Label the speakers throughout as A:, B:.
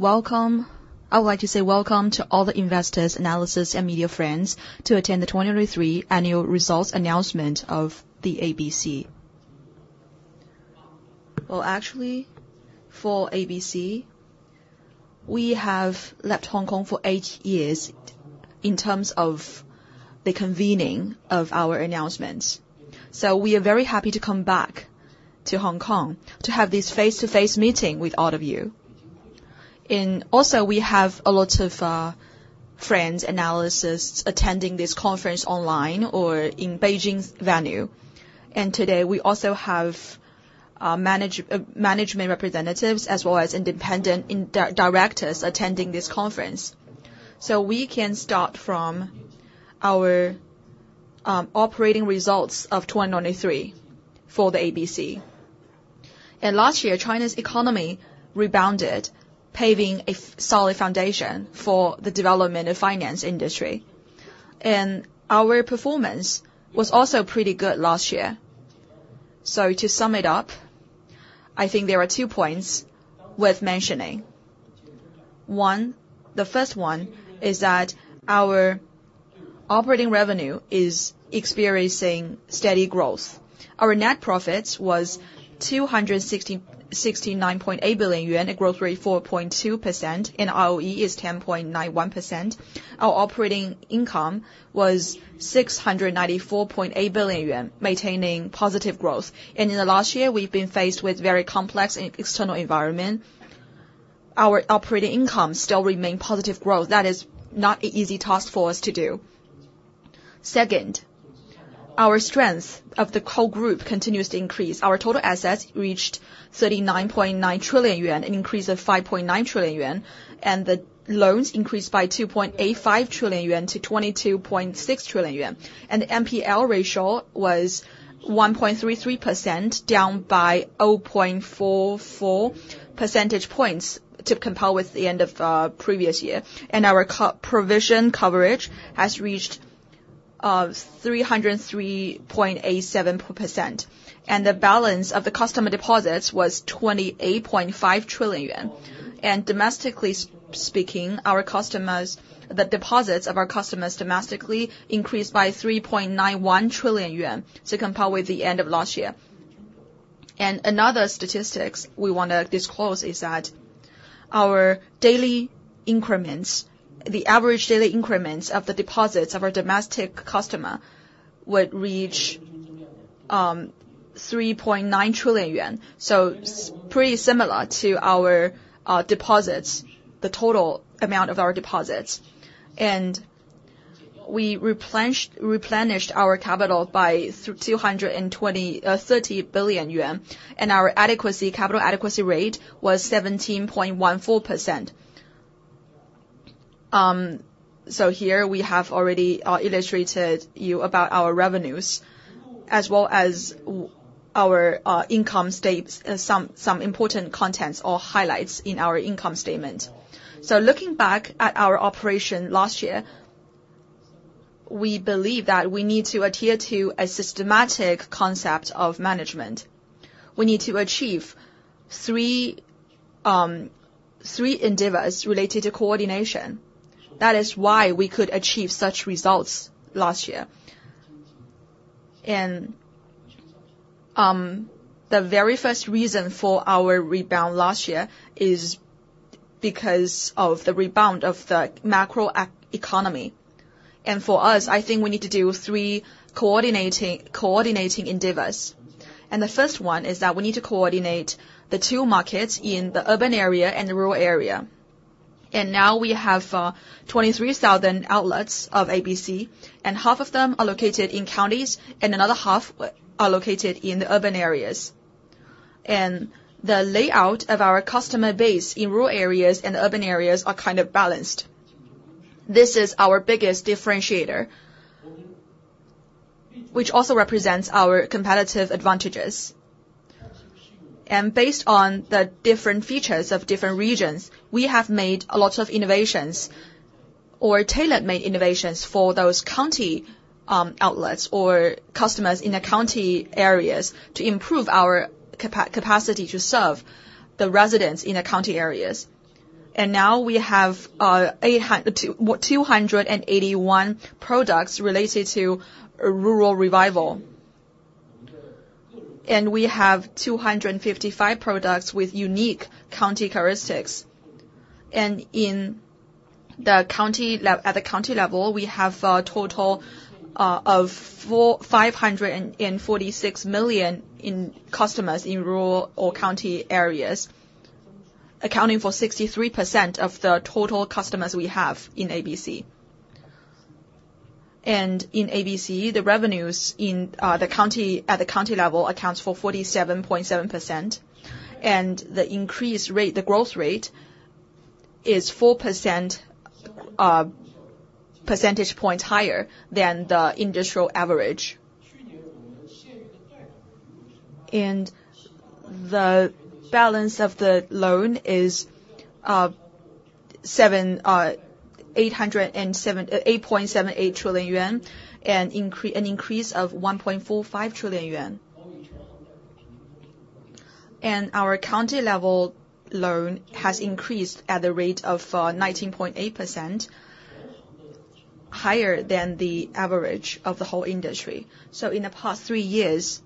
A: I would like to say welcome to all the investors, analysts, and media friends to attend the 2023 annual results announcement of the ABC. Well, actually, for ABC, we have left Hong Kong for 8 years in terms of the convening of our announcements. So we are very happy to come back to Hong Kong to have this face-to-face meeting with all of you. And also, we have a lot of friends, analysts attending this conference online or in Beijing's venue, and today we also have management representatives as well as independent indirect directors attending this conference. So we can start from our operating results of 2023 for the ABC. Last year, China's economy rebounded, paving a solid foundation for the development of finance industry. And our performance was also pretty good last year. So to sum it up, I think there are two points worth mentioning. the first one is that our operating revenue is experiencing steady growth. Our net profits was 269.8 billion yuan, a growth rate of 4.2%, and ROE is 10.91%. Our operating income was 694.8 billion yuan, maintaining positive growth. In the last year, we've been faced with a very complex external environment. Our operating income still remains positive growth. That is not an easy task for us to do. Second, our strength of the core group continues to increase. Our total assets reached 39.9 trillion yuan, an increase of 5.9 trillion yuan, and the loans increased by 2.85 trillion yuan to 22.6 trillion yuan. The NPL ratio was 1.33%, down by 0.44 percentage points compared with the end of the previous year. Our provision coverage has reached 303.87%. The balance of the customer deposits was 28.5 trillion yuan. Domestically speaking, our customers—the deposits of our customers domestically increased by 3.91 trillion yuan compared with the end of last year. Another statistic we want to disclose is that our daily increments—the average daily increments of the deposits of our domestic customers reached 3.9 trillion yuan. Pretty similar to our deposits, the total amount of our deposits. We replenished our capital by 230 billion yuan, and our capital adequacy rate was 17.14%. So here we have already illustrated to you about our revenues as well as our income statements and some important contents or highlights in our income statement. Looking back at our operations last year, we believe that we need to adhere to a systematic concept of management. We need to achieve three endeavors related to coordination. That is why we could achieve such results last year. The very first reason for our rebound last year is because of the rebound of the macroeconomy. For us, I think we need to do three coordinating endeavors. The first one is that we need to coordinate the two markets in the urban area and the rural area. Now we have 23,000 outlets of ABC, and half of them are located in counties, and another half are located in the urban areas. The layout of our customer base in rural areas and urban areas are kind of balanced. This is our biggest differentiator, which also represents our competitive advantages. Based on the different features of different regions, we have made a lot of innovations—or tailor-made innovations—for those county outlets or customers in the county areas to improve our capacity to serve the residents in the county areas. Now we have 800—twenty—what? 281 products related to Rural Revitalization. We have 255 products with unique county characteristics. In the county level, we have a total of 454.6 million customers in rural or county areas, accounting for 63% of the total customers we have in ABC. In ABC, the revenues in the county level accounts for 47.7%. The increase rate—the growth rate—is 4 percentage points higher than the industrial average. The balance of the loans is 8.78 trillion yuan, an increase of 1.45 trillion yuan. Our county level loans have increased at the rate of 19.8%, higher than the average of the whole industry. In the past three years,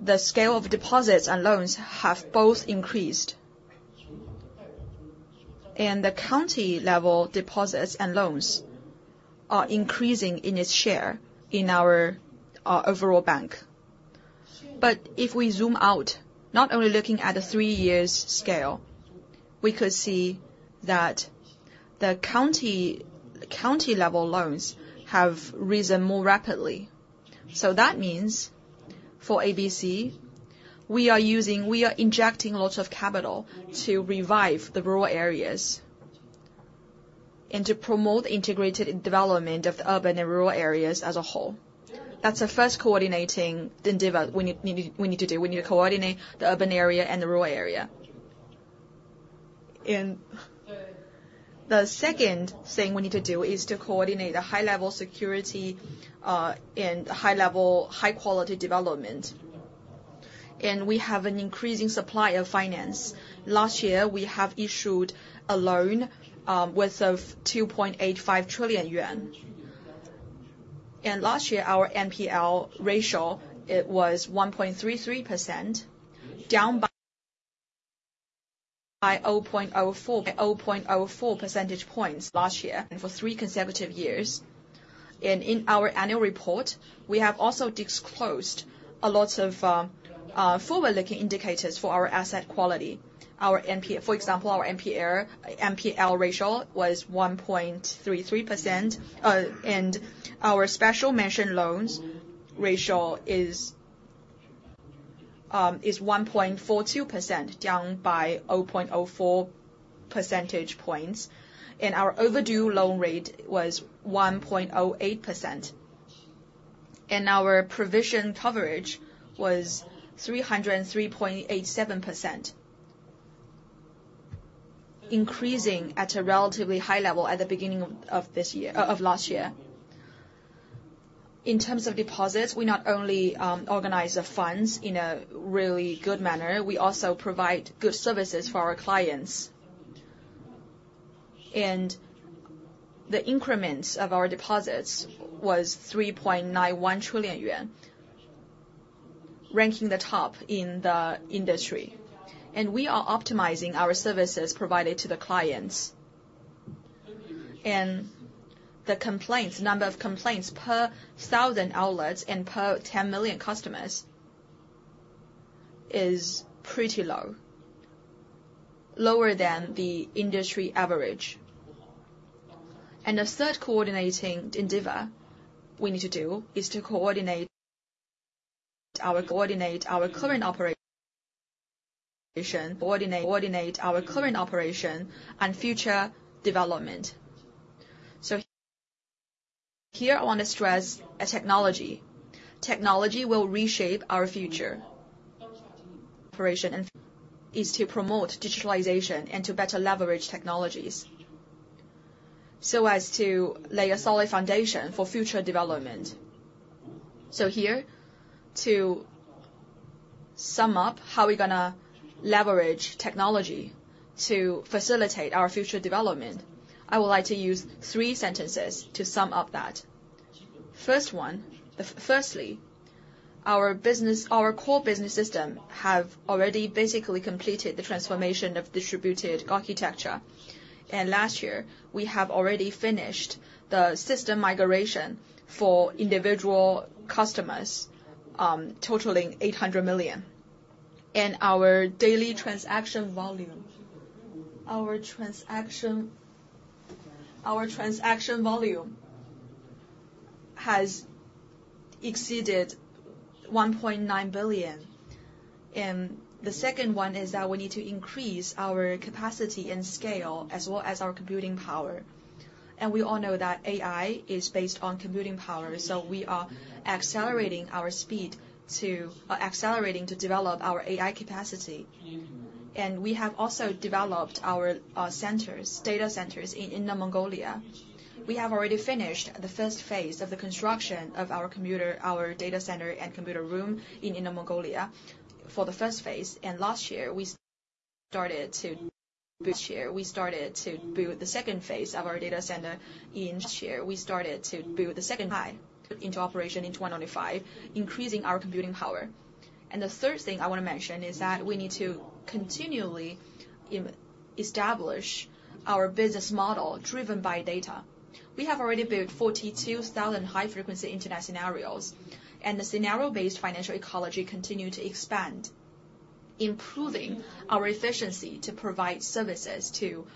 A: the scale of deposits and loans have both increased. The county level deposits and loans are increasing in its share in our overall bank. But if we zoom out, not only looking at the three-year scale, we could see that the county-level loans have risen more rapidly. That means, for ABC, we are injecting a lot of capital to revive the rural areas and to promote the integrated development of the urban and rural areas as a whole. That's the first coordinating endeavor we need to do. We need to coordinate the urban area and the rural area. The second thing we need to do is to coordinate the high-level security and high-quality development. We have an increasing supply of finance. Last year, we have issued a loan worth 2.85 trillion yuan. Last year, our NPL ratio was 1.33%, down by 0.04 percentage points for three consecutive years. In our annual report, we have also disclosed a lot of forward-looking indicators for our asset quality. Our NPL ratio was 1.33%, and our special mention loans ratio is 1.42%, down by 0.04 percentage points. Our overdue loan rate was 1.08%. Our provision coverage was 303.87%, increasing at a relatively high level at the beginning of last year. In terms of deposits, we not only organize the funds in a really good manner, we also provide good services for our clients. The increments of our deposits was 3.91 trillion yuan, ranking the top in the industry. We are optimizing our services provided to the clients. The number of complaints per 1,000 outlets and per 10 million customers is pretty low, lower than the industry average. And the third coordinating endeavor we need to do is to coordinate our current operation and future development. So here I wanna stress a technology. Technology will reshape our future operation and is to promote digitalization and to better leverage technologies so as to lay a solid foundation for future development. So here, to sum up how we're gonna leverage technology to facilitate our future development, I would like to use three sentences to sum up that. Firstly, our core business system has already basically completed the transformation of distributed architecture. And last year, we have already finished the system migration for individual customers, totaling 800 million. And our daily transaction volume has exceeded 1.9 billion. And the second one is that we need to increase our capacity and scale as well as our computing power. We all know that AI is based on computing power, so we are accelerating to develop our AI capacity. We have also developed our data centers in Inner Mongolia. We have already finished the first phase of the construction of our data center and computer room in Inner Mongolia for the first phase. Last year, we started to build the second phase of our data center to put into operation in 2025, increasing our computing power. The third thing I wanna mention is that we need to continually establish our business model driven by data. We have already built 42,000 high-frequency internet scenarios, and the scenario-based financial ecology continues to expand, improving our efficiency to provide services to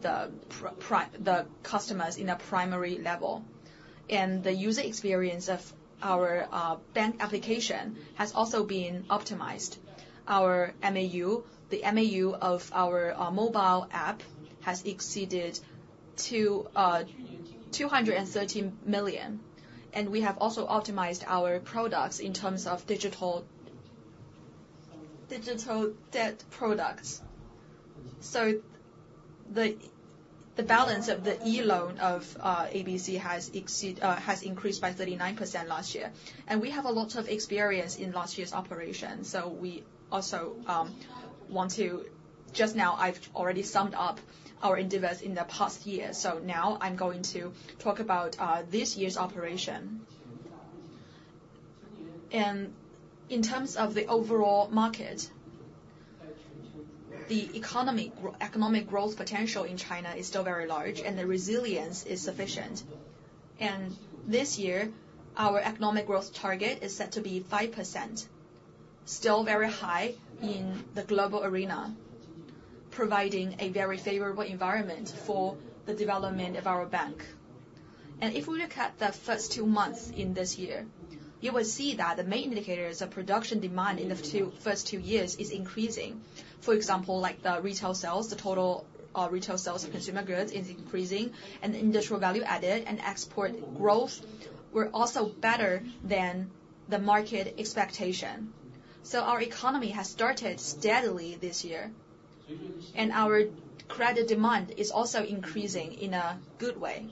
A: the primary customers at the primary level. The user experience of our bank application has also been optimized. Our MAU, the MAU of our mobile app, has exceeded 223 million. We have also optimized our products in terms of digital debt products. The balance of the e-loan of ABC has increased by 39% last year. We have a lot of experience in last year's operation, so just now, I've already summed up our endeavors in the past year. Now I'm going to talk about this year's operation. In terms of the overall market, the economic growth potential in China is still very large, and the resilience is sufficient. This year, our economic growth target is set to be 5%, still very high in the global arena, providing a very favorable environment for the development of our bank. If we look at the first two months in this year, you will see that the main indicators of production demand in the few first two years are increasing. For example, like the retail sales, the total retail sales of consumer goods, is increasing, and the industrial value added and export growth were also better than the market expectation. So our economy has started steadily this year, and our credit demand is also increasing in a good way.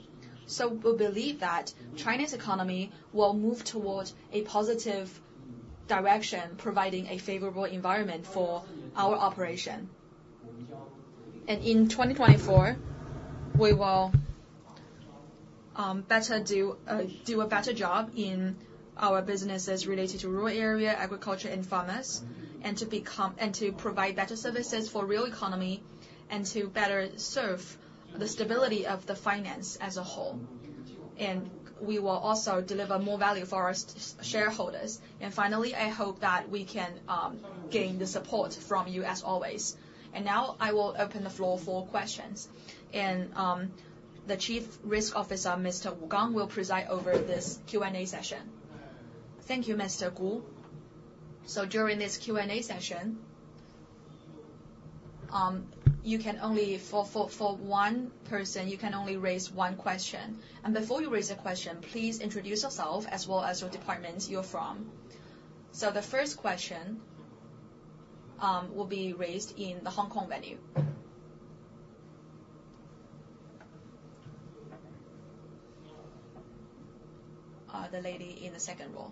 A: So we believe that China's economy will move towards a positive direction, providing a favorable environment for our operation. And in 2024, we will better do a better job in our businesses related to rural area, agriculture, and farmers, and to become and to provide better services for the rural economy and to better serve the stability of the finance as a whole. And we will also deliver more value for our shareholders. Finally, I hope that we can gain the support from you as always. Now I will open the floor for questions. The Chief Risk Officer, Mr. Wu Gang, will preside over this Q&A session. Thank you, Mr. Gu. During this Q&A session, you can only—for one person, you can only raise one question. Before you raise a question, please introduce yourself as well as your department you're from. The first question will be raised in the Hong Kong venue. The lady in the second row.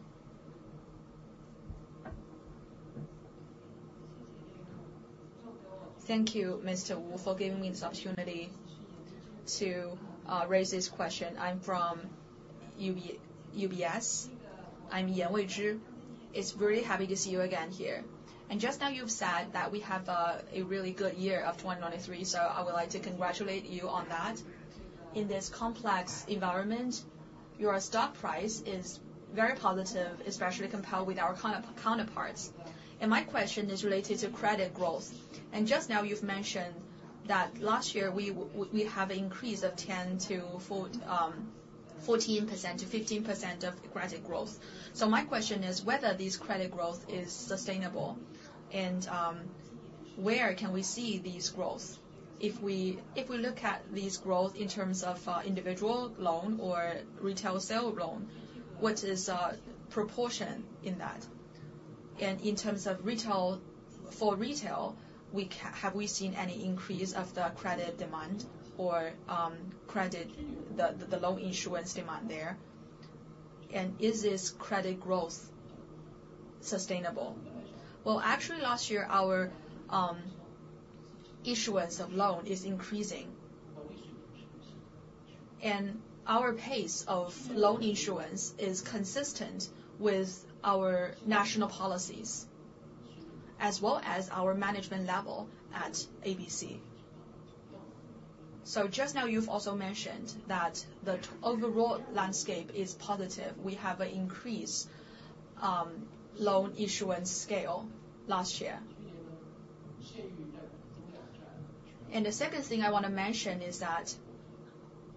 A: Thank you, Mr. Wu, for giving me this opportunity to raise this question. I'm from UBS. I'm May Yan. I'm very happy to see you again here. Just now, you've said that we have a really good year of 2023, so I would like to congratulate you on that. In this complex environment, your stock price is very positive, especially compared with our counterparts. And my question is related to credit growth. And just now, you've mentioned that last year, we have an increase of 10.4%-14%-15% of credit growth. So my question is whether this credit growth is sustainable and, where can we see this growth? If we look at this growth in terms of individual loan or retail sale loan, what is proportion in that? And in terms of retail—for retail, have we seen any increase of the credit demand or credit—the loan issuance demand there? And is this credit growth sustainable? Well, actually, last year, our issuance of loan is increasing. And our pace of loan issuance is consistent with our national policies as well as our management level at ABC. So just now, you've also mentioned that the overall landscape is positive. We have an increase in loan issuance scale last year. The second thing I wanna mention is that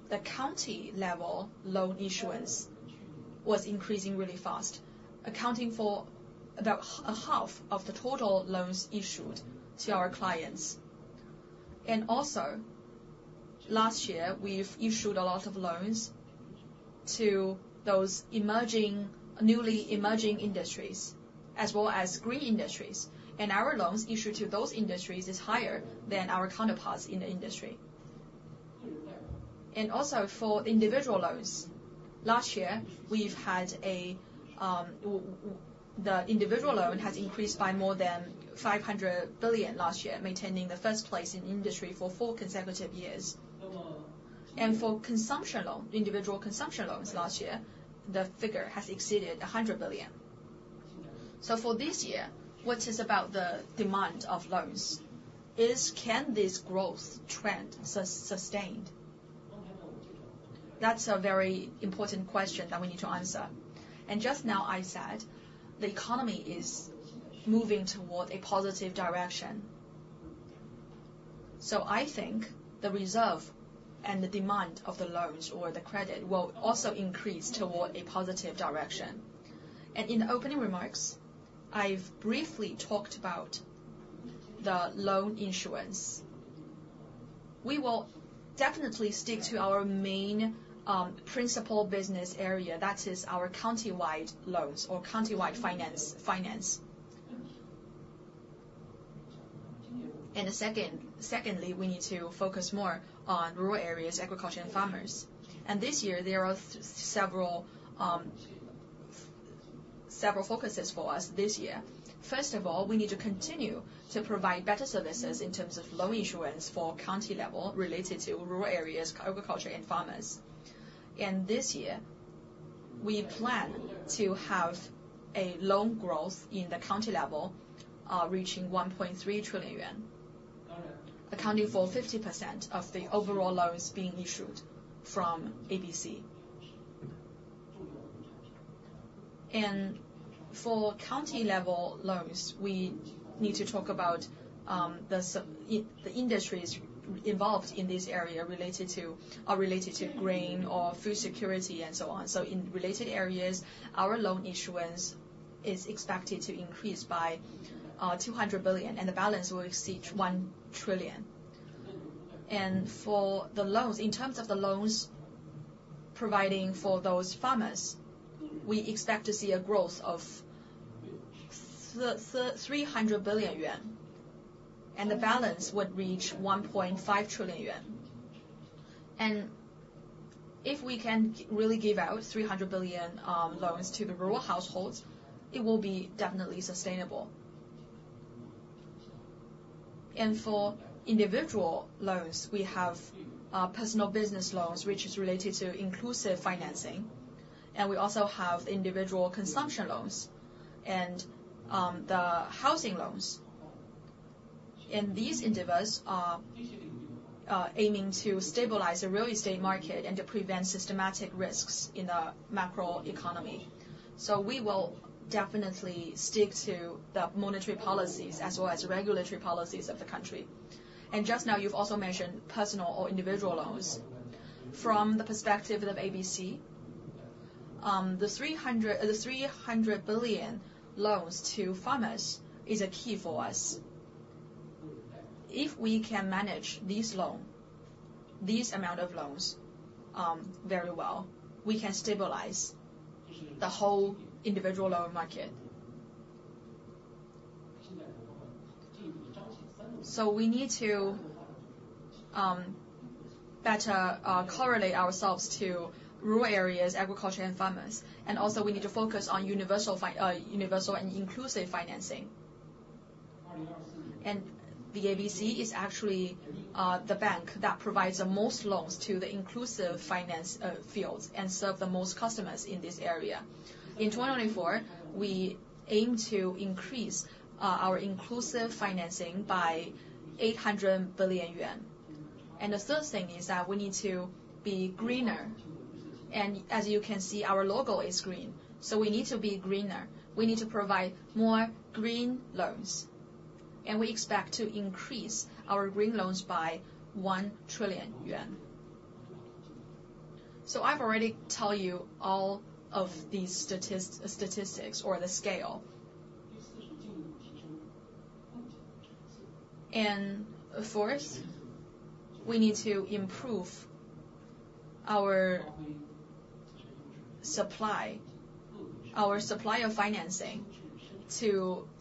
A: the county level loan issuance was increasing really fast, accounting for about a half of the total loans issued to our clients. Also, last year, we've issued a lot of loans to those newly emerging industries as well as green industries. Our loans issued to those industries are higher than our counterparts in the industry. Also, for individual loans, last year, we've had the individual loan has increased by more than 500 billion last year, maintaining the first place in the industry for four consecutive years. For individual consumption loans last year, the figure has exceeded 100 billion. So for this year, what is about the demand of loans? Can this growth trend be sustained? That's a very important question that we need to answer. Just now, I said the economy is moving towards a positive direction. I think the reserve and the demand of the loans or the credit will also increase towards a positive direction. In the opening remarks, I've briefly talked about the loan issuance. We will definitely stick to our main, principal business area. That is our countywide loans or countywide finance. Secondly, we need to focus more on rural areas, agriculture, and farmers. This year, there are several focuses for us this year. First of all, we need to continue to provide better services in terms of loan issuance for county level related to rural areas, agriculture, and farmers. This year, we plan to have a loan growth in the county level, reaching 1.3 trillion yuan, accounting for 50% of the overall loans being issued from ABC. For county level loans, we need to talk about the industries involved in this area related to grain or food security and so on. In related areas, our loan insurance is expected to increase by 200 billion, and the balance will exceed 1 trillion. For the loans in terms of the loans providing for those farmers, we expect to see a growth of 300 billion yuan, and the balance would reach 1.5 trillion yuan. If we can really give out 300 billion loans to the rural households, it will be definitely sustainable. For individual loans, we have personal business loans, which is related to inclusive financing. We also have individual consumption loans and the housing loans. And these endeavors, aiming to stabilize the real estate market and to prevent systematic risks in the macroeconomy. So we will definitely stick to the monetary policies as well as regulatory policies of the country. And just now, you've also mentioned personal or individual loans. From the perspective of ABC, the 300 billion loans to farmers is a key for us. If we can manage these loans, these amount of loans very well, we can stabilize the whole individual loan market. So we need to better correlate ourselves to rural areas, agriculture, and farmers. And also, we need to focus on universal and inclusive financing. And the ABC is actually the bank that provides the most loans to the inclusive finance fields and serves the most customers in this area. In 2024, we aim to increase our inclusive financing by 800 billion yuan. The third thing is that we need to be greener. As you can see, our logo is green, so we need to be greener. We need to provide more green loans. We expect to increase our green loans by 1 trillion yuan. I've already told you all of these statistics or the scale. Fourth, we need to improve our supply of financing to facilitate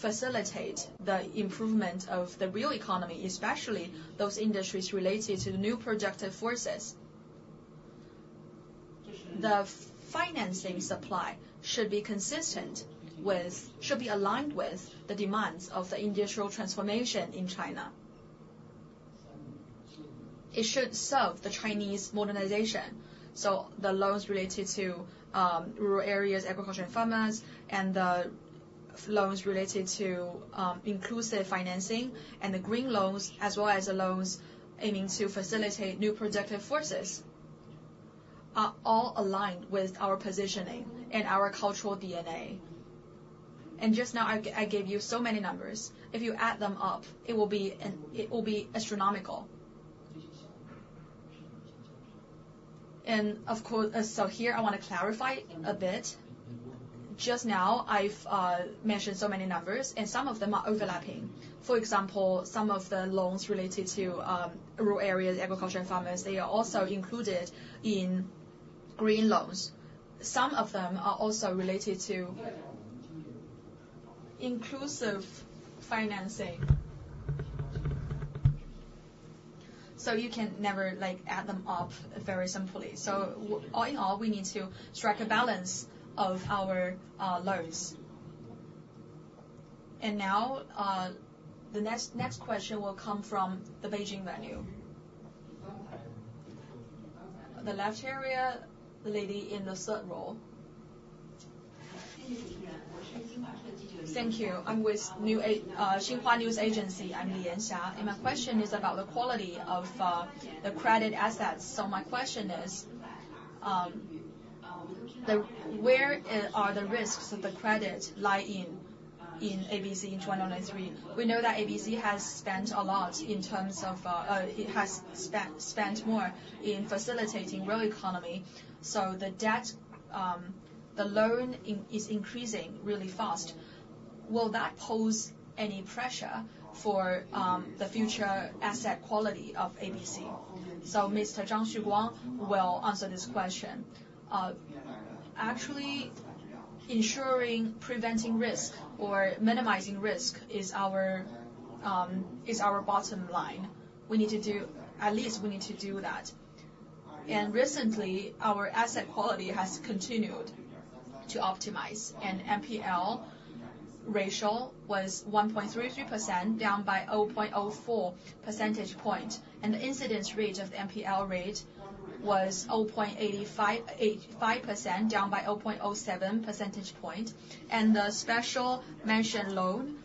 A: the improvement of the real economy, especially those industries related to the new productive forces. The financing supply should be consistent with, should be aligned with the demands of the industrial transformation in China. It should serve the Chinese modernization. So the loans related to rural areas, agriculture, and farmers, and the loans related to inclusive financing and the green loans as well as the loans aiming to facilitate new productive forces are all aligned with our positioning and our cultural DNA. And just now, I gave you so many numbers. If you add them up, it will be astronomical. And of course, so here, I wanna clarify a bit. Just now, I've mentioned so many numbers, and some of them are overlapping. For example, some of the loans related to rural areas, agriculture, and farmers, they are also included in green loans. Some of them are also related to inclusive financing. So you can never, like, add them up very simply. So all in all, we need to strike a balance of our loans. And now, the next question will come from the Beijing venue. The left area, the lady in the third row. Thank you. I'm with Xinhua News Agency. I'm Li Yanxia. And my question is about the quality of the credit assets. So my question is, where are the risks of the credit lie in, in ABC in 2023? We know that ABC has spent a lot in terms of, it has spent more in facilitating the real economy. So the debt, the loan in is increasing really fast. Will that pose any pressure for the future asset quality of ABC? So Mr. Zhang Xuguang will answer this question. Actually, preventing risk or minimizing risk is our, is our bottom line. We need to do at least we need to do that. And recently, our asset quality has continued to optimize. And NPL ratio was 1.33% down by 0.04 percentage point. The incidence rate of the NPL rate was 0.85% down by 0.07 percentage point. The special mention loan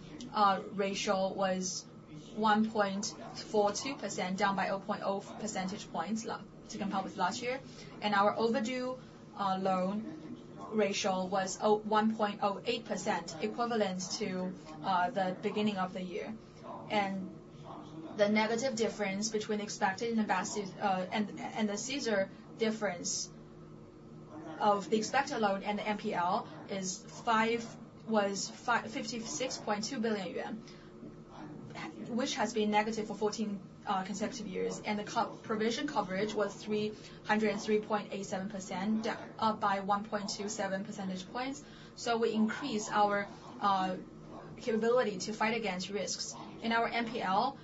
A: ratio was 1.42% down by 0.04 percentage points to compare with last year. Our overdue loan ratio was 0.08% equivalent to the beginning of the year. The negative difference between expected and invested and the CSR difference of the expected loan and the NPL ratio was 56.2 billion yuan, which has been negative for 14 consecutive years. The provision coverage was 303.87% down by 1.27 percentage points. We increase our capability to fight against risks. Our NPL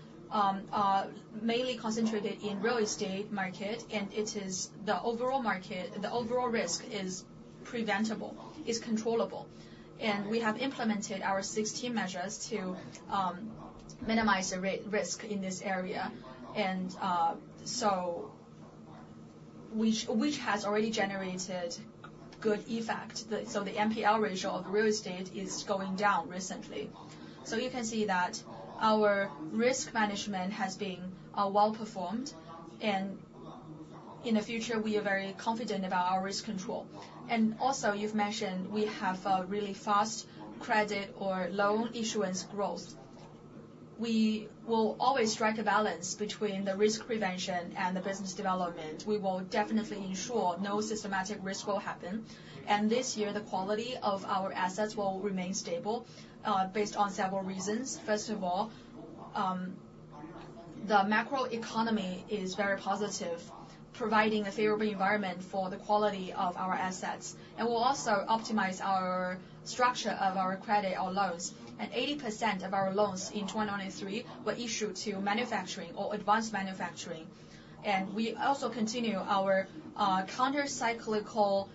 A: mainly concentrated in the real estate market, and it is the overall market the overall risk is preventable, is controllable. We have implemented our 16 measures to minimize the risk in this area. So which has already generated good effect. So the NPL ratio of real estate is going down recently. So you can see that our risk management has been well performed. And in the future, we are very confident about our risk control. And also, you've mentioned we have really fast credit or loan issuance growth. We will always strike a balance between the risk prevention and the business development. We will definitely ensure no systematic risk will happen. And this year, the quality of our assets will remain stable, based on several reasons. First of all, the macroeconomy is very positive, providing a favorable environment for the quality of our assets. And we'll also optimize our structure of our credit or loans. And 80% of our loans in 2023 were issued to manufacturing or advanced manufacturing. And we also continue our countercyclical capacity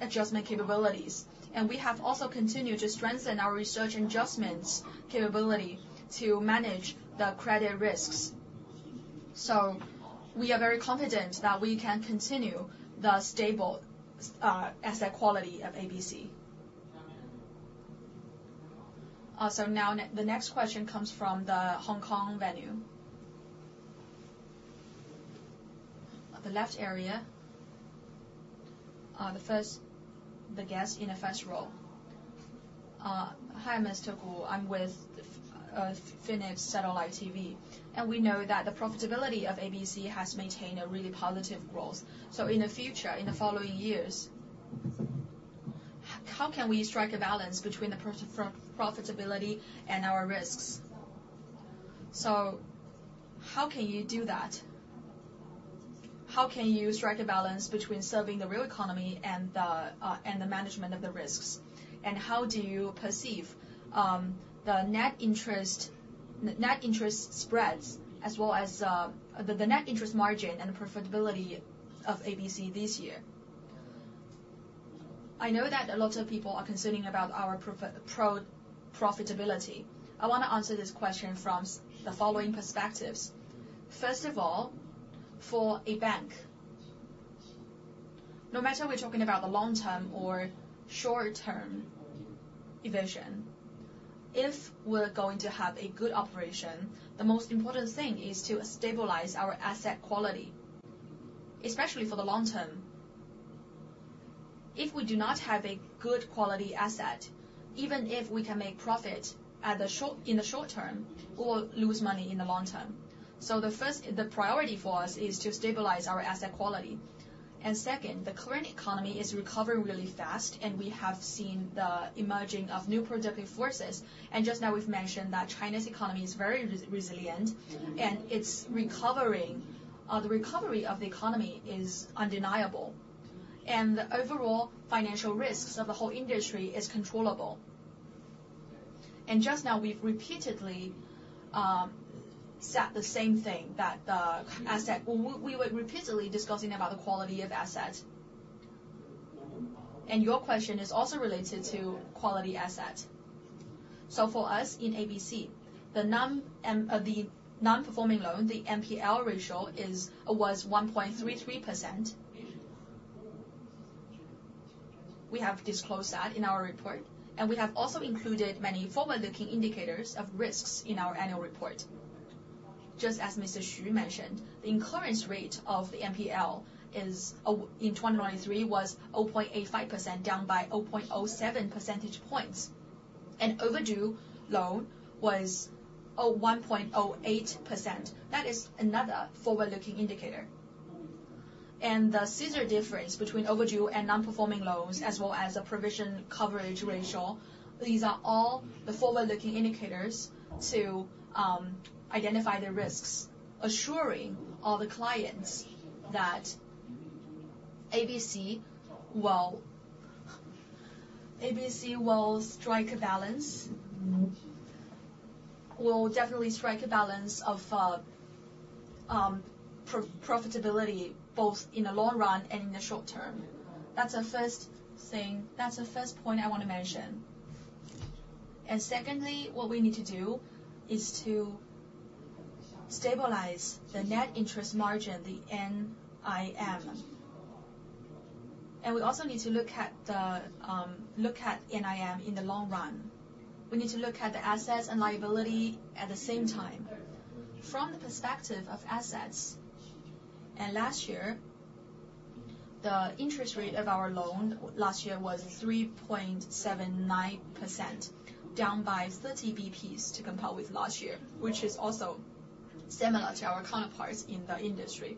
A: adjustment capabilities. And we have also continued to strengthen our research adjustments capability to manage the credit risks. So we are very confident that we can continue the stable asset quality of ABC. So now the next question comes from the Hong Kong venue, the left area, the first guest in the first row. Hi, Mr. Guo. I'm with Phoenix Satellite TV. And we know that the profitability of ABC has maintained a really positive growth. So in the future, in the following years, how can we strike a balance between the profitability and our risks? So how can you do that? How can you strike a balance between serving the real economy and the management of the risks? And how do you perceive the net interest spreads as well as the net interest margin and profitability of ABC this year? I know that a lot of people are concerned about our profitability. I wanna answer this question from the following perspectives. First of all, for a bank, no matter we're talking about the long-term or short-term vision, if we're going to have a good operation, the most important thing is to stabilize our asset quality, especially for the long term. If we do not have a good quality asset, even if we can make profit in the short term, we will lose money in the long term. So the first priority for us is to stabilize our asset quality. And second, the current economy is recovering really fast, and we have seen the emerging of new productive forces. And just now, we've mentioned that China's economy is very resilient, and it's recovering. The recovery of the economy is undeniable. The overall financial risks of the whole industry is controllable. Just now, we've repeatedly said the same thing that the asset we were repeatedly discussing about the quality of assets. And your question is also related to quality assets. So for us in ABC, the non-performing loan, the NPL ratio was 1.33%. We have disclosed that in our report. And we have also included many forward-looking indicators of risks in our annual report. Just as Mr. Xu mentioned, the incurrence rate of the NPL in 2023 was 0.85% down by 0.07 percentage points. And overdue loan was 1.08%. That is another forward-looking indicator. The CSR difference between overdue and non-performing loans as well as the provision coverage ratio, these are all the forward-looking indicators to identify the risks, assuring all the clients that ABC will ABC will strike a balance will definitely strike a balance of pro-profitability both in the long run and in the short term. That's the first thing that's the first point I wanna mention. Secondly, what we need to do is to stabilize the net interest margin, the NIM. We also need to look at the look at NIM in the long run. We need to look at the assets and liability at the same time. From the perspective of assets, and last year, the interest rate of our loan was last year 3.79% down by 30 basis points to compare with last year, which is also similar to our counterparts in the industry.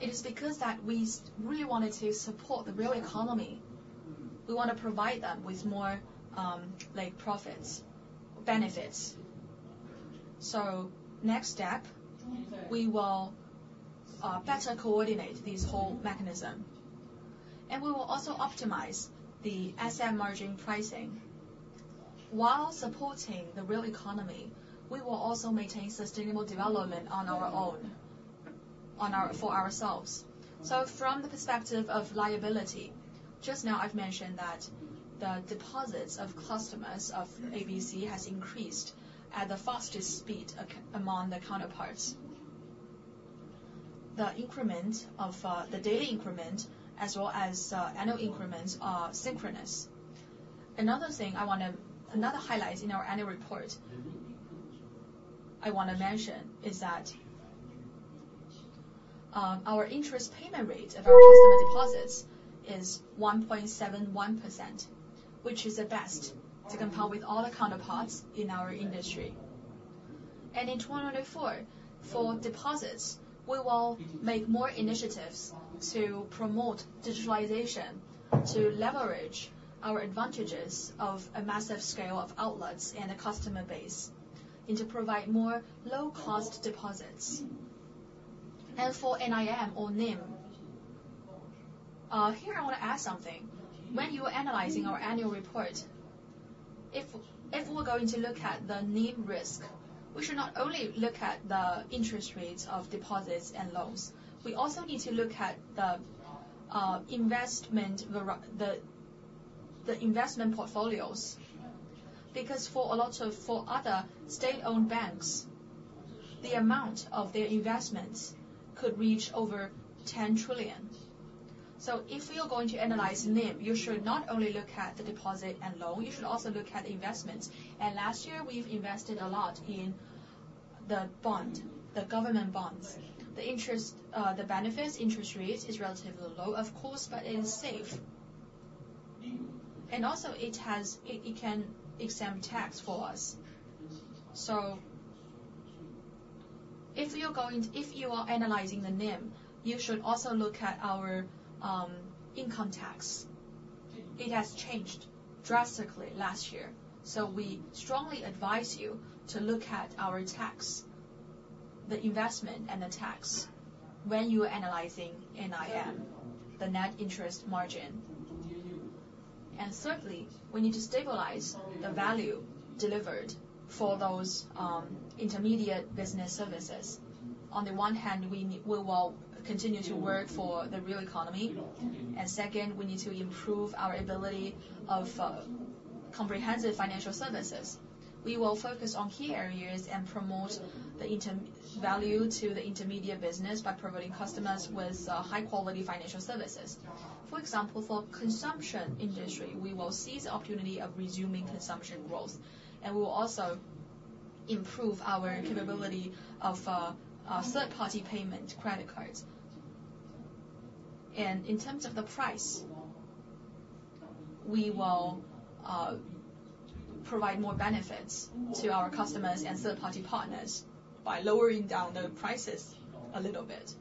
A: It is because we really wanted to support the real economy. We wanna provide them with more, like, profits, benefits. So next step, we will better coordinate this whole mechanism. And we will also optimize the asset margin pricing. While supporting the real economy, we will also maintain sustainable development on our own, for ourselves. So from the perspective of liability, just now, I've mentioned that the deposits of customers of ABC has increased at the fastest speed among the counterparts. The increment of, the daily increment as well as annual increments are synchronous. Another thing I wanna highlight in our annual report I wanna mention is that, our interest payment rate of our customer deposits is 1.71%, which is the best to compare with all the counterparts in our industry. In 2024, for deposits, we will make more initiatives to promote digitalization, to leverage our advantages of a massive scale of outlets and a customer base and to provide more low-cost deposits. And for NIM or NIM, here, I wanna add something. When you are analyzing our annual report, if we're going to look at the NIM risk, we should not only look at the interest rates of deposits and loans. We also need to look at the investment portfolios because for a lot of other state-owned banks, the amount of their investments could reach over 10 trillion. So if you're going to analyze NIM, you should not only look at the deposit and loan. You should also look at the investments. And last year, we've invested a lot in the bond, the government bonds. The interest benefits, interest rates are relatively low, of course, but it is safe. And also, it has it can exempt tax for us. So if you are analyzing the NIM, you should also look at our income tax. It has changed drastically last year. So we strongly advise you to look at our tax, the investment, and the tax when you are analyzing NIM, the net interest margin. And thirdly, we need to stabilize the value delivered for those intermediate business services. On the one hand, we we will continue to work for the real economy. And second, we need to improve our ability of comprehensive financial services. We will focus on key areas and promote the intermediate value to the intermediate business by providing customers with high-quality financial services. For example, for consumption industry, we will seize the opportunity of resuming consumption growth. And we will also improve our capability of third-party payment credit cards. And in terms of the price, we will provide more benefits to our customers and third-party partners by lowering down the prices a little bit.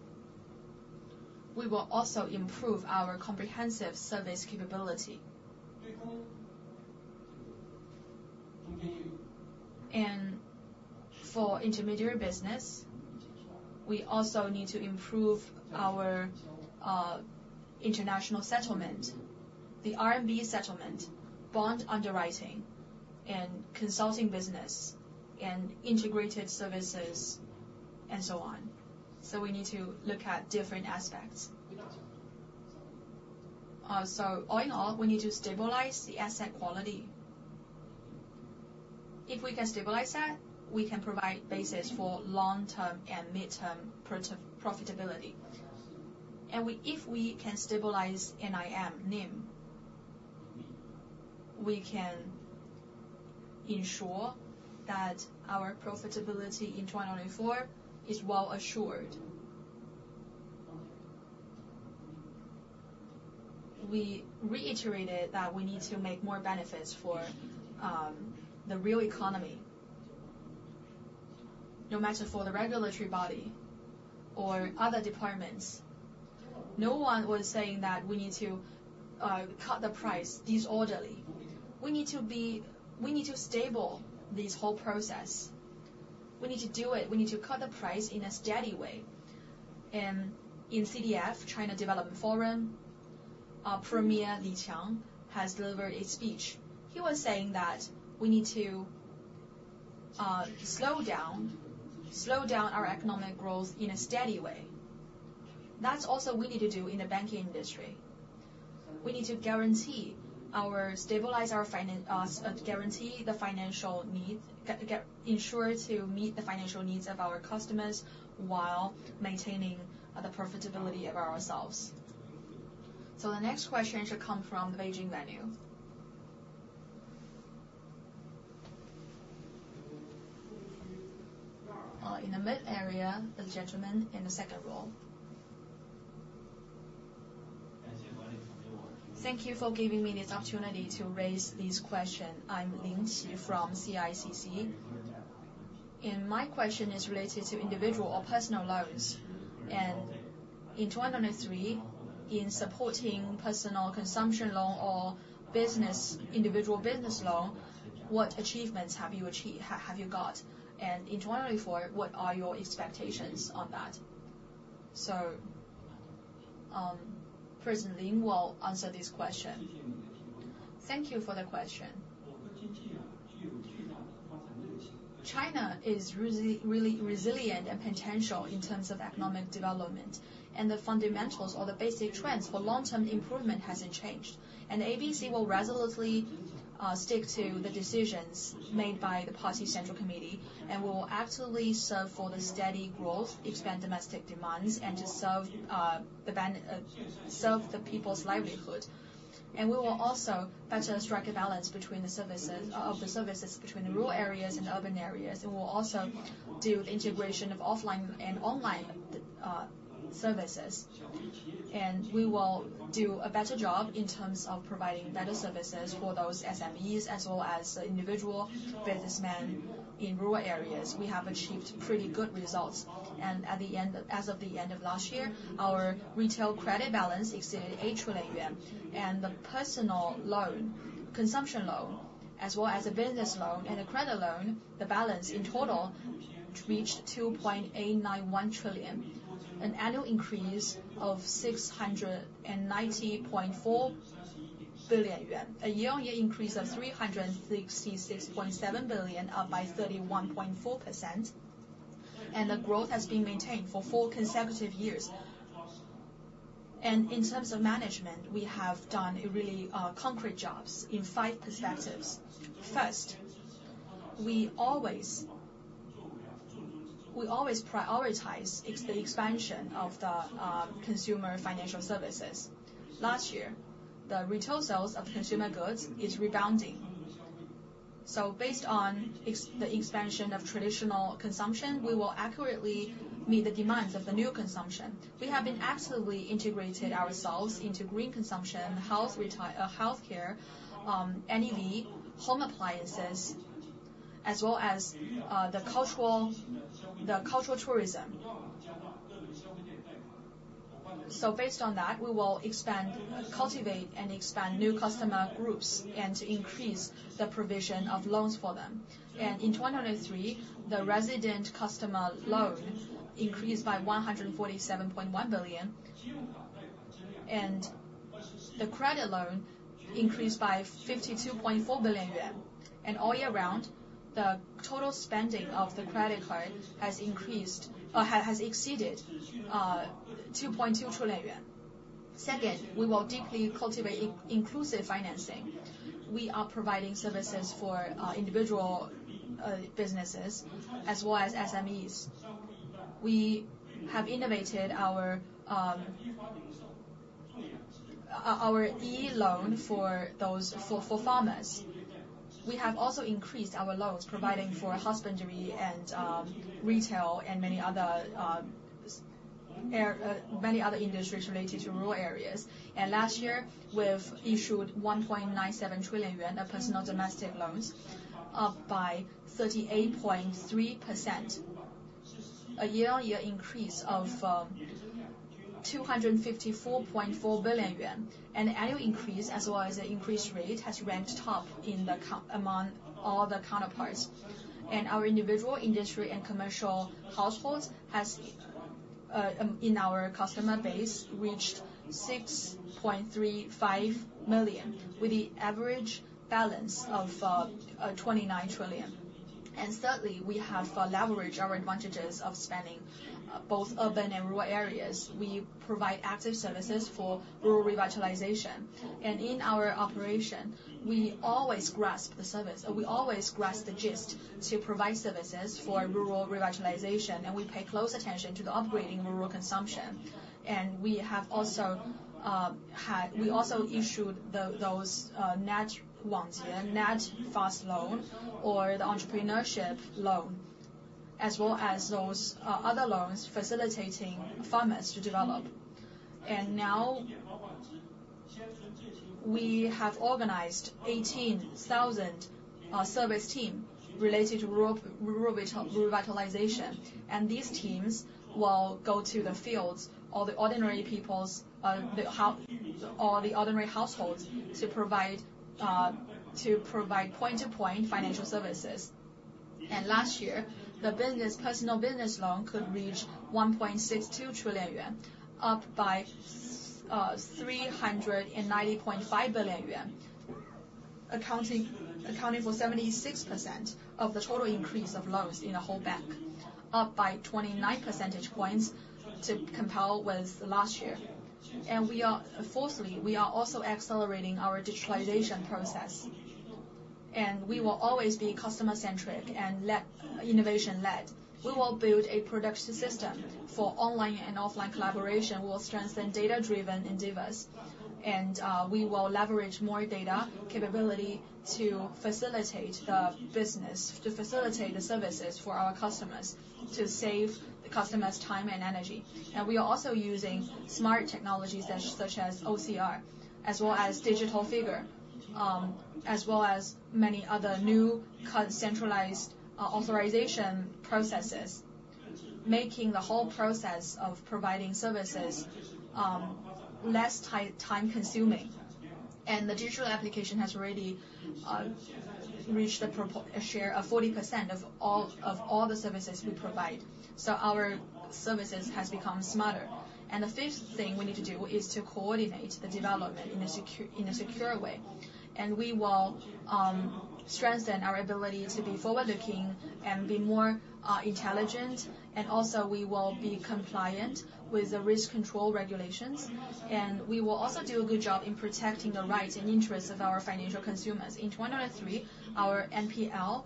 A: We will also improve our comprehensive service capability. And for intermediate business, we also need to improve our international settlement, the RMB settlement, bond underwriting, and consulting business, and integrated services, and so on. So we need to look at different aspects. So all in all, we need to stabilize the asset quality. If we can stabilize that, we can provide basis for long-term and mid-term profit profitability. And if we can stabilize NIM, we can ensure that our profitability in 2024 is well assured. We reiterated that we need to make more benefits for the real economy, no matter for the regulatory body or other departments. No one was saying that we need to cut the price disorderly. We need to stabilize this whole process. We need to do it. We need to cut the price in a steady way. And in CDF, China Development Forum, Premier Li Qiang has delivered a speech. He was saying that we need to slow down our economic growth in a steady way. That's also we need to do in the banking industry. We need to guarantee, stabilize our finances, guarantee the financial needs to ensure to meet the financial needs of our customers while maintaining the profitability of ourselves. So the next question should come from the Beijing venue, in the mid-area, the gentleman in the second row. Thank you for giving me this opportunity to raise this question. I'm Lin Yingqi from CICC. And my question is related to individual or personal loans. And in 2023, in supporting personal consumption loan or business individual business loan, what achievements have you achieved? Have you got? And in 2024, what are your expectations on that? So, President Lin will answer this question. Thank you for the question. China is really really resilient and potential in terms of economic development. And the fundamentals or the basic trends for long-term improvement hasn't changed. And ABC will resolutely stick to the decisions made by the Party Central Committee and will actively serve for the steady growth, expand domestic demands, and to serve the Bank serve the people's livelihood. And we will also better strike a balance between the services of the services between the rural areas and urban areas. We'll also do the integration of offline and online the services. We will do a better job in terms of providing better services for those SMEs as well as the individual businessmen in rural areas. We have achieved pretty good results. As of the end of last year, our retail credit balance exceeded 8 trillion yuan. The personal loan, consumption loan, as well as the business loan and the credit loan, the balance in total reached 2.891 trillion, an annual increase of 690.4 billion yuan, a year-on-year increase of 366.7 billion up by 31.4%. The growth has been maintained for four consecutive years. In terms of management, we have done really concrete jobs in five perspectives. First, we always prioritize the expansion of the consumer financial services. Last year, the retail sales of consumer goods is rebounding. So based on the expansion of traditional consumption, we will accurately meet the demands of the new consumption. We have been actively integrated ourselves into green consumption, healthcare, NEV, home appliances, as well as the cultural tourism. So based on that, we will cultivate and expand new customer groups and to increase the provision of loans for them. And in 2023, the resident customer loan increased by 147.1 billion. And the credit loan increased by 52.4 billion yuan. And all year round, the total spending of the credit card has exceeded 2.2 trillion yuan. Second, we will deeply cultivate inclusive financing. We are providing services for individual businesses as well as SMEs. We have innovated our e-loan for those for farmers. We have also increased our loans providing for husbandry and retail and many other areas, many other industries related to rural areas. Last year, we've issued 1.97 trillion yuan of personal domestic loans, up by 38.3%, a year-on-year increase of 254.4 billion yuan. The annual increase as well as the increase rate has ranked top in the country among all the counterparts. Our individual industrial and commercial households in our customer base reached 6.35 million with the average balance of 29 trillion. Thirdly, we have leveraged our advantages spanning both urban and rural areas. We provide active services for Rural Revitalization. In our operation, we always grasp the gist to provide services for Rural Revitalization. We pay close attention to the upgrading rural consumption. We have also issued those Huinong e-Loan, or the entrepreneurship loan as well as those other loans facilitating farmers to develop. Now, we have organized 18,000 service teams related to rural revitalization. These teams will go to the fields or the ordinary households to provide point-to-point financial services. Last year, the personal business loan could reach 1.62 trillion yuan, up by 390.5 billion yuan, accounting for 76% of the total increase of loans in the whole bank, up by 29 percentage points compared with last year. Fourthly, we are also accelerating our digitalization process. We will always be customer-centric and innovation-led. We will build a production system for online and offline collaboration. We will strengthen data-driven endeavors. We will leverage more data capability to facilitate the business to facilitate the services for our customers to save the customer's time and energy. We are also using smart technologies such as OCR as well as digital signature, as well as many other new centralized authorization processes, making the whole process of providing services less time-consuming. The digital application has already reached a proportion of 40% of all the services we provide. So our services has become smarter. The fifth thing we need to do is to coordinate the development in a secure way. We will strengthen our ability to be forward-looking and be more intelligent. Also, we will be compliant with the risk control regulations. We will also do a good job in protecting the rights and interests of our financial consumers. In 2023, our NPL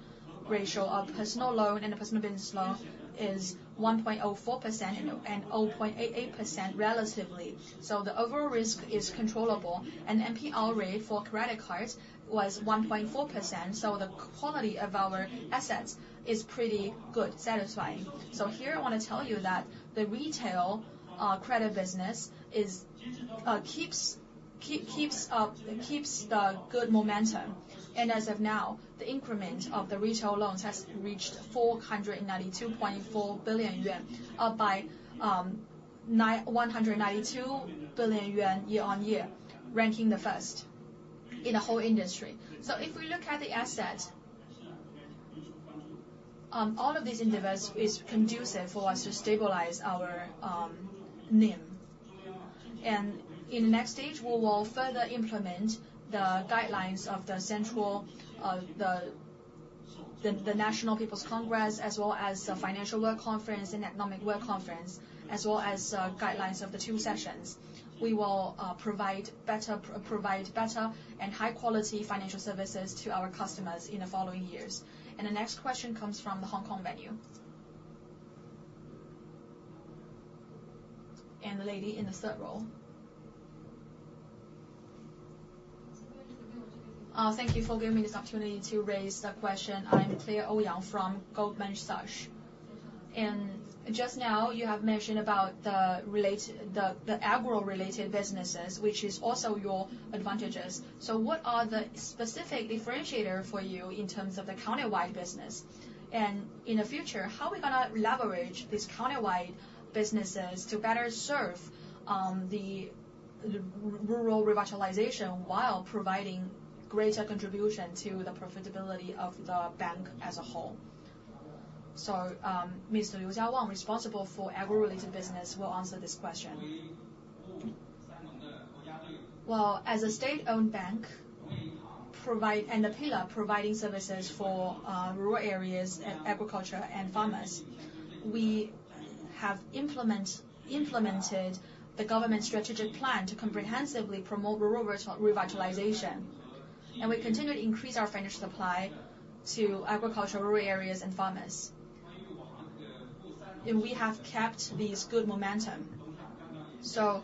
A: ratio, personal loan and the personal business loan, is 1.04% and 0.88% relatively. So the overall risk is controllable. And the NPL rate for credit cards was 1.4%. So the quality of our assets is pretty good, satisfying. So here, I wanna tell you that the retail credit business keeps the good momentum. And as of now, the increment of the retail loans has reached 492.4 billion yuan, up by 192 billion yuan year-on-year, ranking the first in the whole industry. So if we look at the assets, all of these endeavors is conducive for us to stabilize our NIM. And in the next stage, we will further implement the guidelines of the central the National People's Congress as well as the Financial Work Conference and Economic Work Conference as well as guidelines of the two sessions. We will provide better and high-quality financial services to our customers in the following years. The next question comes from the Hong Kong venue and the lady in the third row. Thank you for giving me this opportunity to raise the question. I'm Claire Ouyang from Goldman Sachs. And just now, you have mentioned about the related, the agro-related businesses, which is also your advantages. So what are the specific differentiator for you in terms of the countywide business? And in the future, how are we gonna leverage these countywide businesses to better serve the Rural Revitalization while providing greater contribution to the profitability of the bank as a whole? So, Mr. Liu Jiawang, responsible for agro-related business, will answer this question. Well, as a state-owned bank, provider and the pillar providing services for rural areas and agriculture and farmers, we have implemented the government strategic plan to comprehensively promote rural revitalization. We continued to increase our financial supply to agriculture, rural areas, and farmers. We have kept this good momentum. So,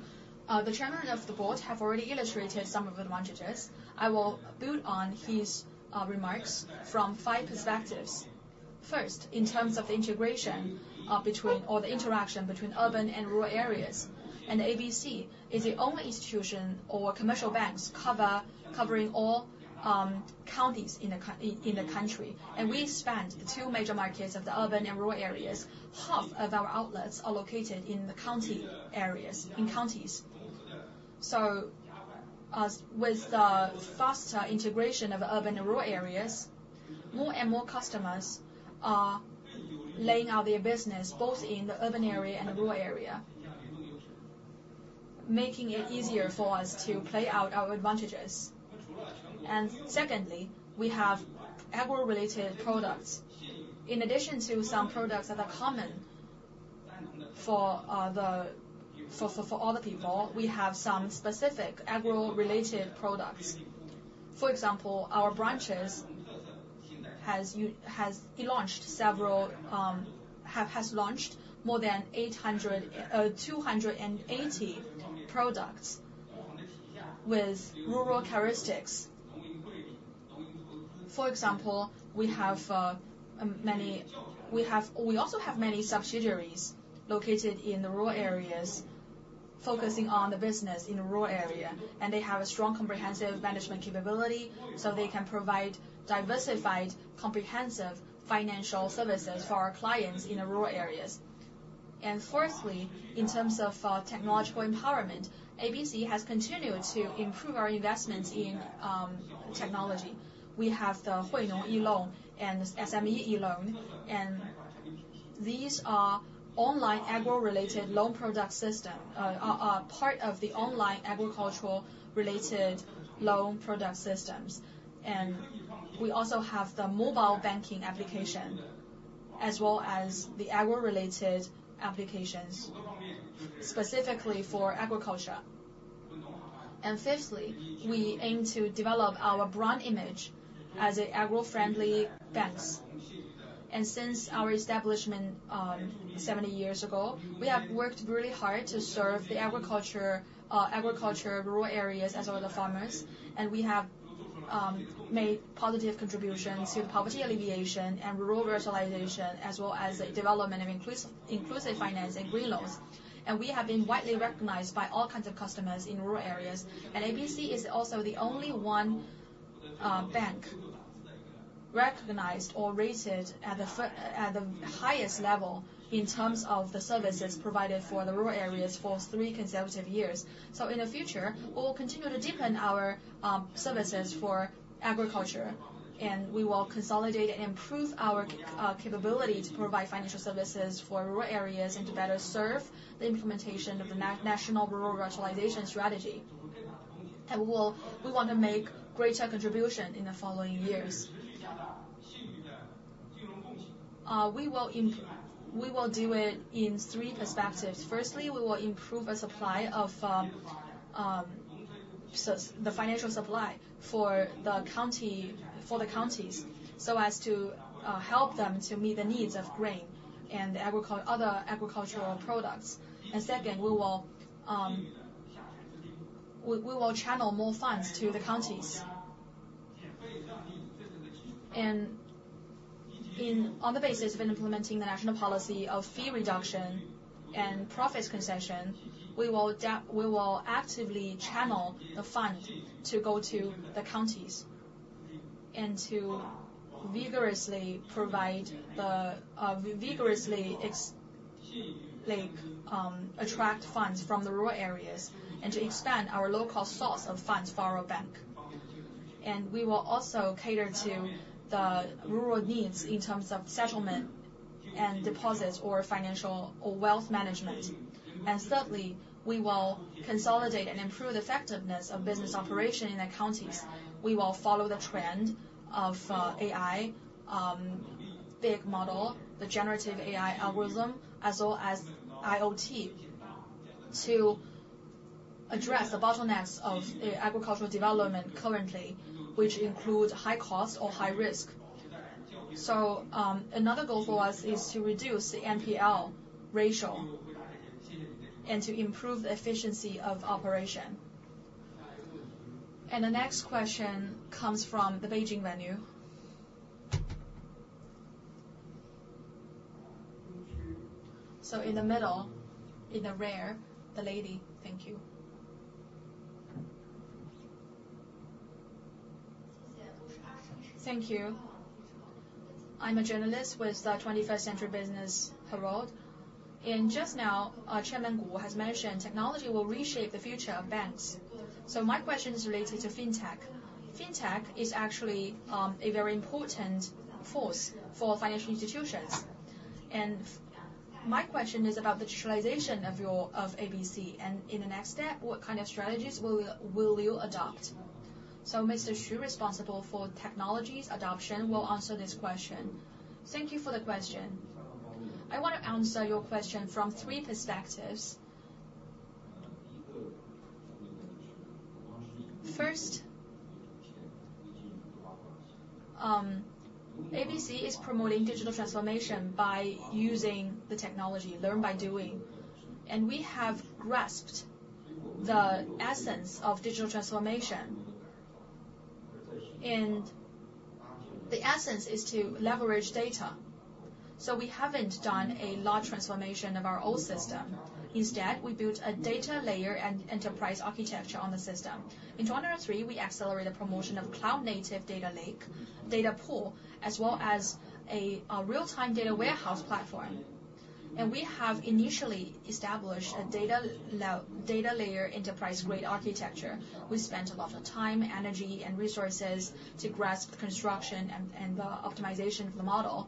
A: the chairman of the board have already illustrated some of the advantages. I will build on his remarks from five perspectives. First, in terms of the integration between or the interaction between urban and rural areas. ABC is the only institution or commercial banks covering all counties in the country. We span the two major markets of the urban and rural areas. Half of our outlets are located in the county areas in counties. So, with the faster integration of urban and rural areas, more and more customers are laying out their business both in the urban area and the rural area, making it easier for us to play out our advantages. And secondly, we have agro-related products. In addition to some products that are common for other people, we have some specific agro-related products. For example, our branches have launched more than 800 products with rural characteristics. For example, we also have many subsidiaries located in the rural areas focusing on the business in the rural area. And they have a strong comprehensive management capability so they can provide diversified comprehensive financial services for our clients in the rural areas. And fourthly, in terms of technological empowerment, ABC has continued to improve our investments in technology. We have the Huinong e-Loan and the SME e-Loan. And these are online agro-related loan product system part of the online agricultural-related loan product systems. And we also have the mobile banking application as well as the agro-related applications specifically for agriculture. And fifthly, we aim to develop our brand image as an agro-friendly banks. And since our establishment 70 years ago, we have worked really hard to serve the agriculture rural areas as well as the farmers. And we have made positive contributions to the poverty alleviation and rural revitalization as well as the development of inclusive finance and green loans. And we have been widely recognized by all kinds of customers in rural areas. ABC is also the only one bank recognized or rated at the highest level in terms of the services provided for the rural areas for three consecutive years. So in the future, we will continue to deepen our services for agriculture. And we will consolidate and improve our capability to provide financial services for rural areas and to better serve the implementation of the national Rural Revitalization strategy. And we want to make greater contribution in the following years. We will do it in three perspectives. Firstly, we will improve the supply of the financial supply for the county for the counties so as to help them to meet the needs of grain and other agricultural products. And second, we will channel more funds to the counties. On the basis of implementing the national policy of fee reduction and profits concession, we will actively channel the fund to go to the counties and to vigorously attract funds from the rural areas and to expand our low-cost source of funds for our bank. We will also cater to the rural needs in terms of settlement and deposits or financial or wealth management. Thirdly, we will consolidate and improve the effectiveness of business operation in the counties. We will follow the trend of AI, big model, the generative AI algorithm, as well as IoT to address the bottlenecks of agricultural development currently, which include high cost or high risk. Another goal for us is to reduce the NPL ratio and to improve the efficiency of operation. The next question comes from the Beijing venue. So, in the middle, in the rear, the lady. Thank you. Thank you. I'm a journalist with the 21st Century Business Herald. And just now, Chairman Gu Shu has mentioned technology will reshape the future of banks. So my question is related to fintech. Fintech is actually a very important force for financial institutions. And my question is about the digitalization of your ABC. And in the next step, what kind of strategies will Liu adopt? So Mr. Xu, responsible for technology adoption, will answer this question. Thank you for the question. I wanna answer your question from three perspectives. First, ABC is promoting digital transformation by using the technology, learn by doing. And we have grasped the essence of digital transformation. And the essence is to leverage data. So we haven't done a large transformation of our old system. Instead, we built a data layer and enterprise architecture on the system. In 2023, we accelerated the promotion of cloud-native Data Lake, data pool, as well as a real-time data warehouse platform. We have initially established a Data Lake data layer enterprise-grade architecture. We spent a lot of time, energy, and resources to grasp the construction and the optimization of the model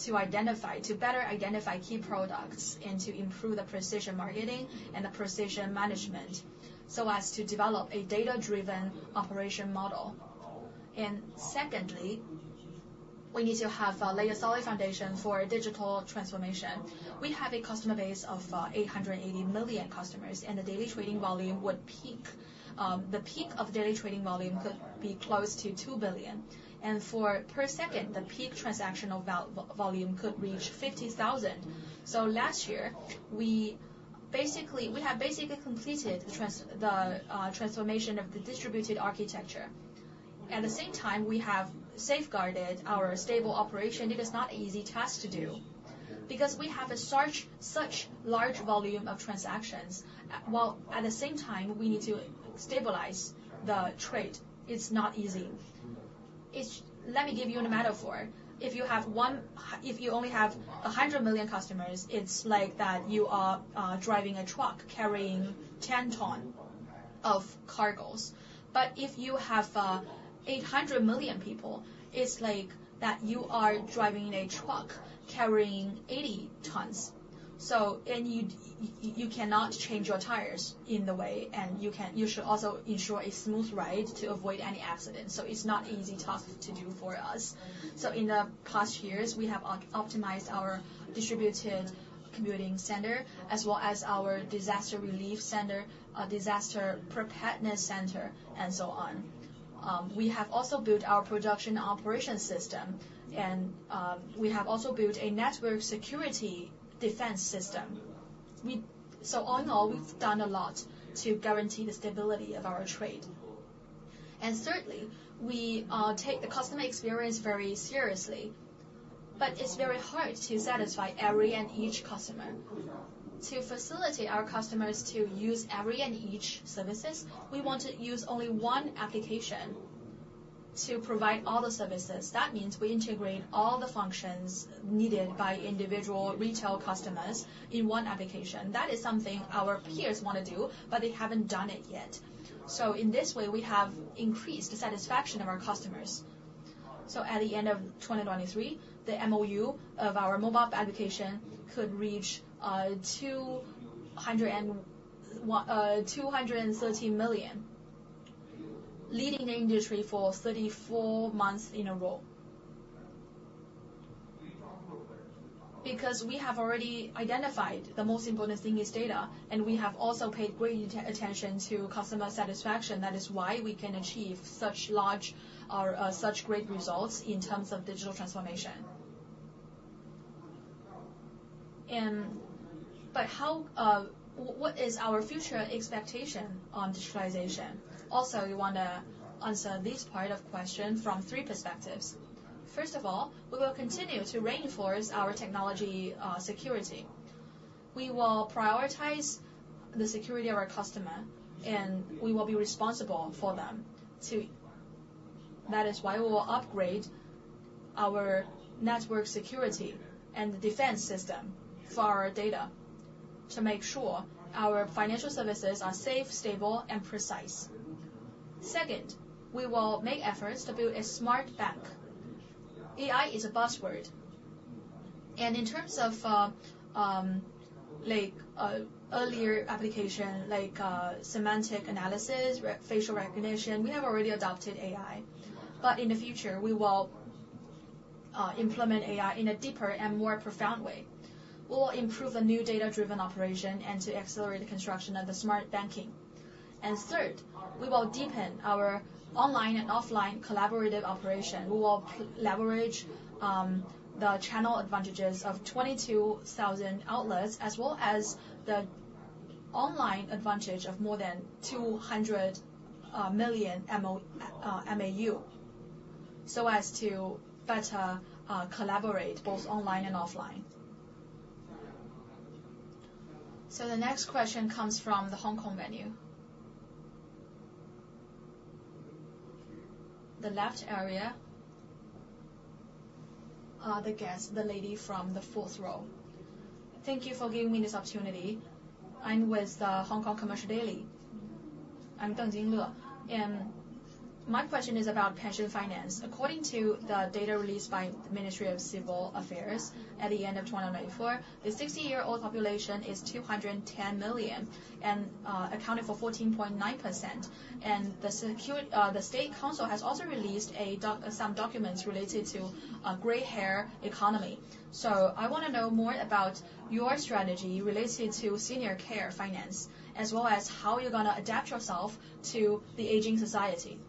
A: to better identify key products and to improve the precision marketing and the precision management so as to develop a data-driven operation model. Secondly, we need to lay a solid foundation for digital transformation. We have a customer base of 880 million customers. The daily trading volume would peak. The peak of daily trading volume could be close to 2 billion. Per second, the peak transactional volume could reach 50,000. So last year, we have basically completed the transformation of the distributed architecture. At the same time, we have safeguarded our stable operation. It is not an easy task to do because we have such large volume of transactions, while at the same time, we need to stabilize the trade. It's not easy. Let me give you a metaphor. If you only have 100 million customers, it's like you are driving a truck carrying 10 tons of cargoes. But if you have 800 million people, it's like you are driving a truck carrying 80 tons. So you cannot change your tires on the way. And you should also ensure a smooth ride to avoid any accident. So it's not an easy task to do for us. So in the past years, we have optimized our distributed computing center as well as our disaster relief center, disaster preparedness center, and so on. We have also built our production operation system. We have also built a network security defense system. So all in all, we've done a lot to guarantee the stability of our IT. Thirdly, we take the customer experience very seriously. But it's very hard to satisfy every and each customer. To facilitate our customers to use every and each services, we want to use only one application to provide all the services. That means we integrate all the functions needed by individual retail customers in one application. That is something our peers wanna do, but they haven't done it yet. So in this way, we have increased the satisfaction of our customers. So at the end of 2023, the MAU of our mobile application could reach 201.213 million, leading the industry for 34 months in a row because we have already identified the most important thing is data. We have also paid great attention to customer satisfaction. That is why we can achieve such large, such great results in terms of digital transformation. But what is our future expectation on digitalization? Also, you wanna answer this part of the question from three perspectives. First of all, we will continue to reinforce our technology security. We will prioritize the security of our customer. And we will be responsible for them. That is why we will upgrade our network security and the defense system for our data to make sure our financial services are safe, stable, and precise. Second, we will make efforts to build a smart bank. AI is a buzzword. And in terms of, like, earlier application like, semantic analysis, facial recognition, we have already adopted AI. But in the future, we will implement AI in a deeper and more profound way. We will improve the new data-driven operation and to accelerate the construction of the smart banking. And third, we will deepen our online and offline collaborative operation. We will leverage the channel advantages of 22,000 outlets as well as the online advantage of more than 200 million mobile MAU so as to better collaborate both online and offline. So the next question comes from the Hong Kong venue. The left area, the guest, the lady from the fourth row. Thank you for giving me this opportunity. I'm with the Hong Kong Commercial Daily. I'm Deng Jing. My question is about pension finance. According to the data released by the Ministry of Civil Affairs at the end of 2024, the 60-year-old population is 210 million and accounted for 14.9%. The State Council has also released some documents related to gray hair economy. So I wanna know more about your strategy related to senior care finance as well as how you're gonna adapt yourself to the aging society.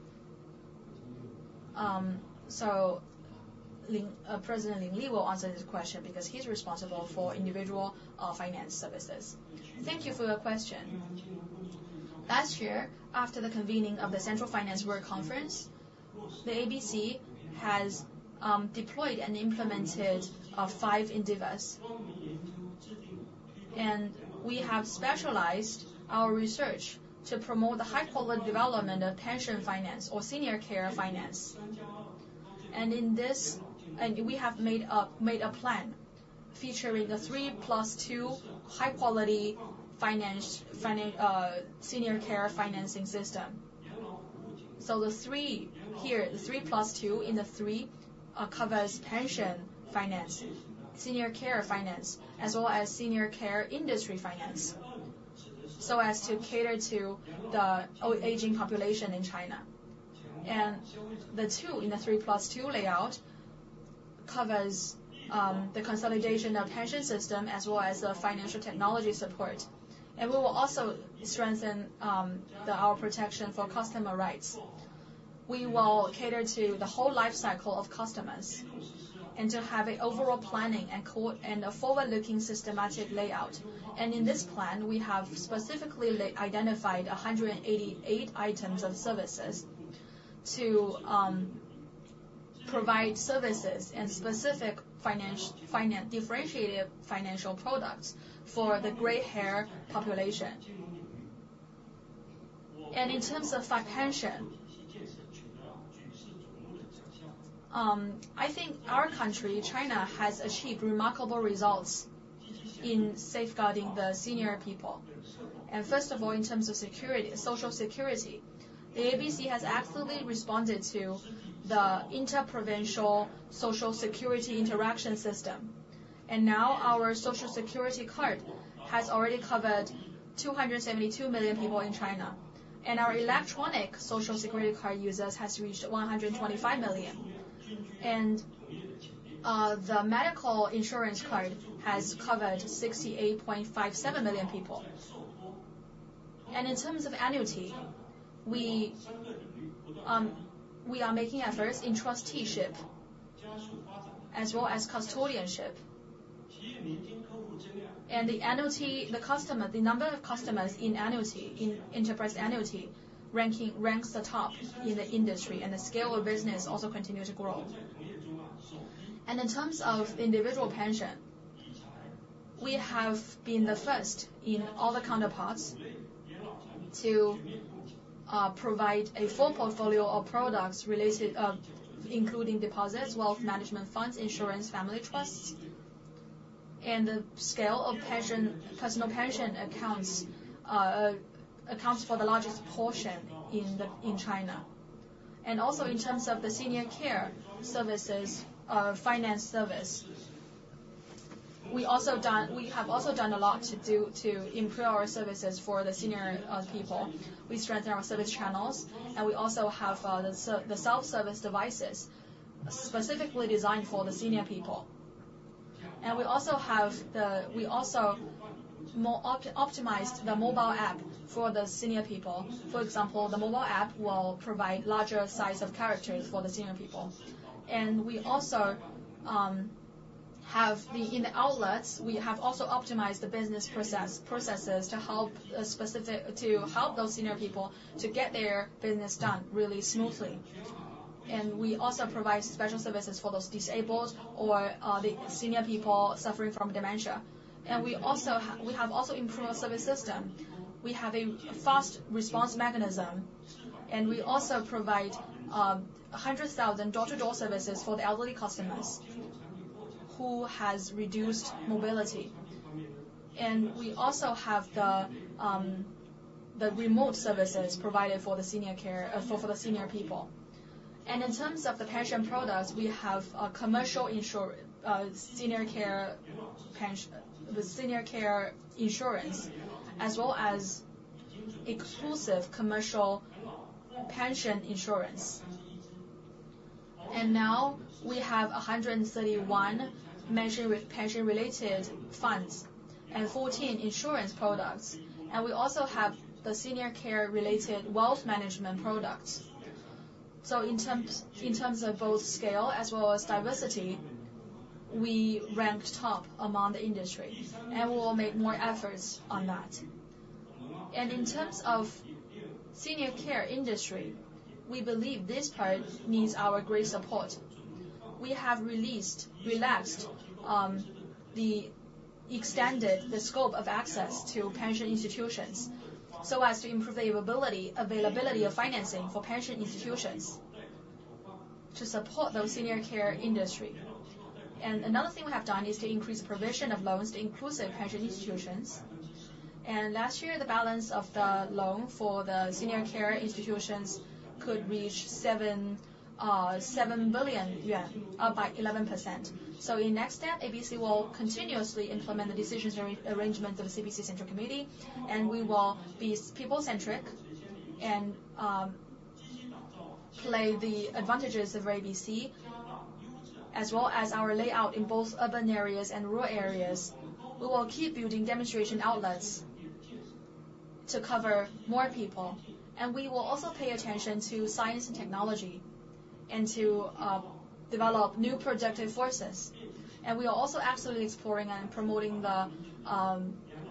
A: President Lin Li will answer this question because he's responsible for individual finance services. Thank you for your question. Last year, after the convening of the Central Financial World Conference, the ABC has deployed and implemented five initiatives. We have specialized our research to promote the high-quality development of pension finance or senior care finance. In this, we have made a plan featuring a 3+2 high-quality financing senior care financing system. So the 3 here, the 3+2, in the 3 covers pension finance, senior care finance, as well as senior care industry finance so as to cater to the aging population in China. The 2 in the 3+2 layout covers the consolidation of pension system as well as the financial technology support. We will also strengthen our protection for customer rights. We will cater to the whole lifecycle of customers and have an overall planning and coordination and a forward-looking systematic layout. In this plan, we have specifically identified 188 items of services to provide services and specific financial differentiated financial products for the gray hair population. In terms of pension, I think our country, China, has achieved remarkable results in safeguarding the senior people. First of all, in terms of security, social security, the ABC has actively responded to the interprovincial social security interaction system. And now, our social security card has already covered 272 million people in China. And our electronic social security card users has reached 125 million. And the medical insurance card has covered 68.57 million people. And in terms of annuity, we, we are making efforts in trusteeship as well as custodianship. And the annuity the customer the number of customers in annuity in enterprise annuity ranking ranks the top in the industry. And the scale of business also continues to grow. In terms of individual pension, we have been the first in all the counterparts to provide a full portfolio of products related including deposits, wealth management funds, insurance, family trusts. The scale of pension personal pension accounts accounts for the largest portion in China. In terms of the senior care services, finance service, we have also done a lot to improve our services for the senior people. We strengthen our service channels. We also have the self-service devices specifically designed for the senior people. We also optimized the mobile app for the senior people. For example, the mobile app will provide larger size of characters for the senior people. And we also have in the outlets we have also optimized the business processes to help specific to help those senior people to get their business done really smoothly. And we also provide special services for those disabled or the senior people suffering from dementia. And we also have also improved our service system. We have a fast response mechanism. And we also provide 100,000 door-to-door services for the elderly customers who has reduced mobility. And we also have the remote services provided for the senior care for the senior people. And in terms of the pension products, we have commercial insurance senior care pension the senior care insurance as well as exclusive commercial pension insurance. And now, we have 131 pension with pension-related funds and 14 insurance products. And we also have the senior care-related wealth management products. So in terms of both scale as well as diversity, we ranked top among the industry. And we will make more efforts on that. And in terms of senior care industry, we believe this part needs our great support. We have relaxed, extended the scope of access to pension institutions so as to improve the availability of financing for pension institutions to support the senior care industry. And another thing we have done is to increase the provision of loans to inclusive pension institutions. And last year, the balance of the loan for the senior care institutions could reach 7 billion yuan, by 11%. So in next step, ABC will continuously implement the decisions arrangement of the CPC Central Committee. And we will be people-centric and play the advantages of ABC as well as our layout in both urban areas and rural areas. We will keep building demonstration outlets to cover more people. And we will also pay attention to science and technology and to develop new productive forces. And we are also actively exploring and promoting the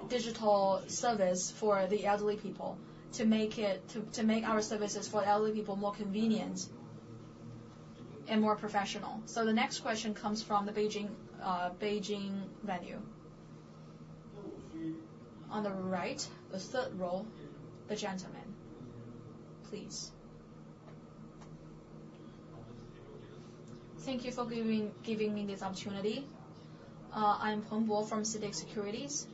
A: digital service for the elderly people to make our services for elderly people more convenient and more professional. So the next question comes from the Beijing venue. On the right, the third row, the gentleman, please. Thank you for giving me this opportunity. I'm Guo Peng from CITIC Securities.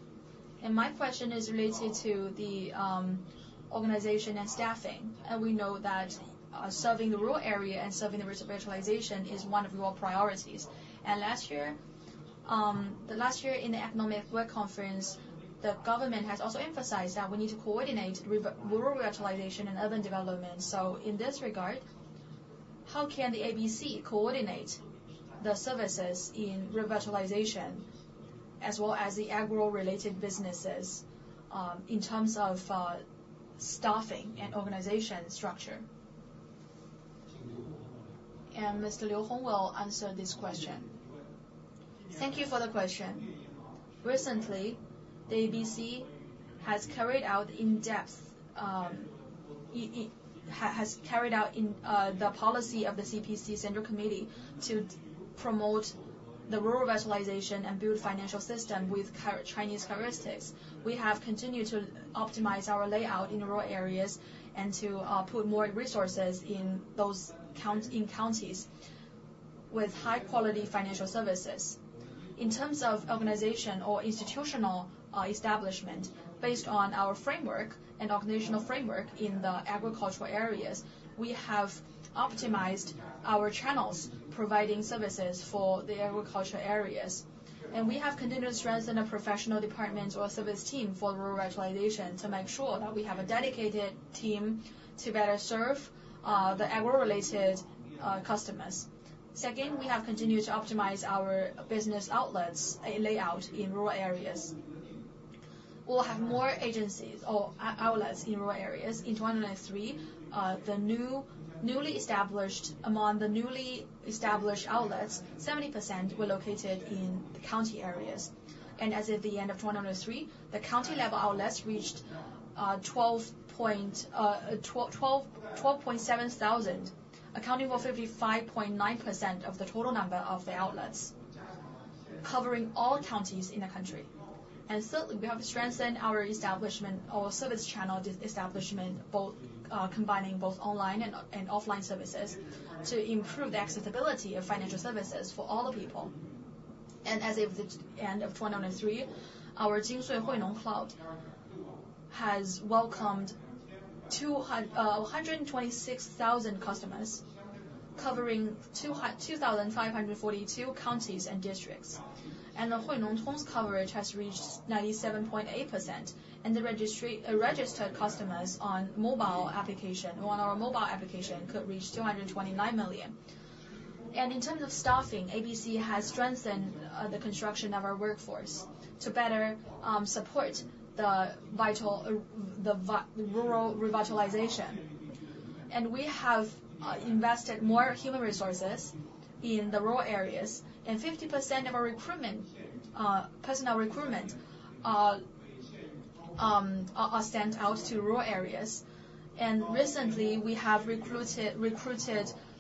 A: And my question is related to the organization and staffing. And we know that serving the rural area and serving the rural revitalization is one of your priorities. And last year, in the Economic Work Conference, the government has also emphasized that we need to coordinate rural revitalization and urban development. So in this regard, how can the ABC coordinate the services in revitalization as well as the agro-related businesses, in terms of staffing and organization structure? And Mr. Liu Hong will answer this question. Thank you for the question. Recently, the ABC has carried out in-depth the policy of the CPC Central Committee to promote the rural revitalization and build financial system with Chinese characteristics. We have continued to optimize our layout in rural areas and to put more resources in those counties with high-quality financial services. In terms of organizational or institutional establishment, based on our framework and organizational framework in the agricultural areas, we have optimized our channels providing services for the agricultural areas. We have continued to strengthen the professional departments or service team for rural revitalization to make sure that we have a dedicated team to better serve the agri-related customers. Second, we have continued to optimize our business outlets layout in rural areas. We will have more agencies or outlets in rural areas. In 2023, among the newly established outlets, 70% were located in the county areas. And as of the end of 2023, the county-level outlets reached 12,127, accounting for 55.9% of the total number of the outlets covering all counties in the country. And thirdly, we have strengthened our service channel establishment, combining both online and offline services to improve the accessibility of financial services for all the people. As of the end of 2023, our Jinsui Huinong Cloud has welcomed 201,260 customers covering 2,542 counties and districts. And the Huinongtong's coverage has reached 97.8%. And the registered customers on our mobile application could reach 229 million. And in terms of staffing, ABC has strengthened the construction of our workforce to better support the vital rural revitalization. And we have invested more human resources in the rural areas. And 50% of our personnel recruitment sent out to rural areas. And recently, we have recruited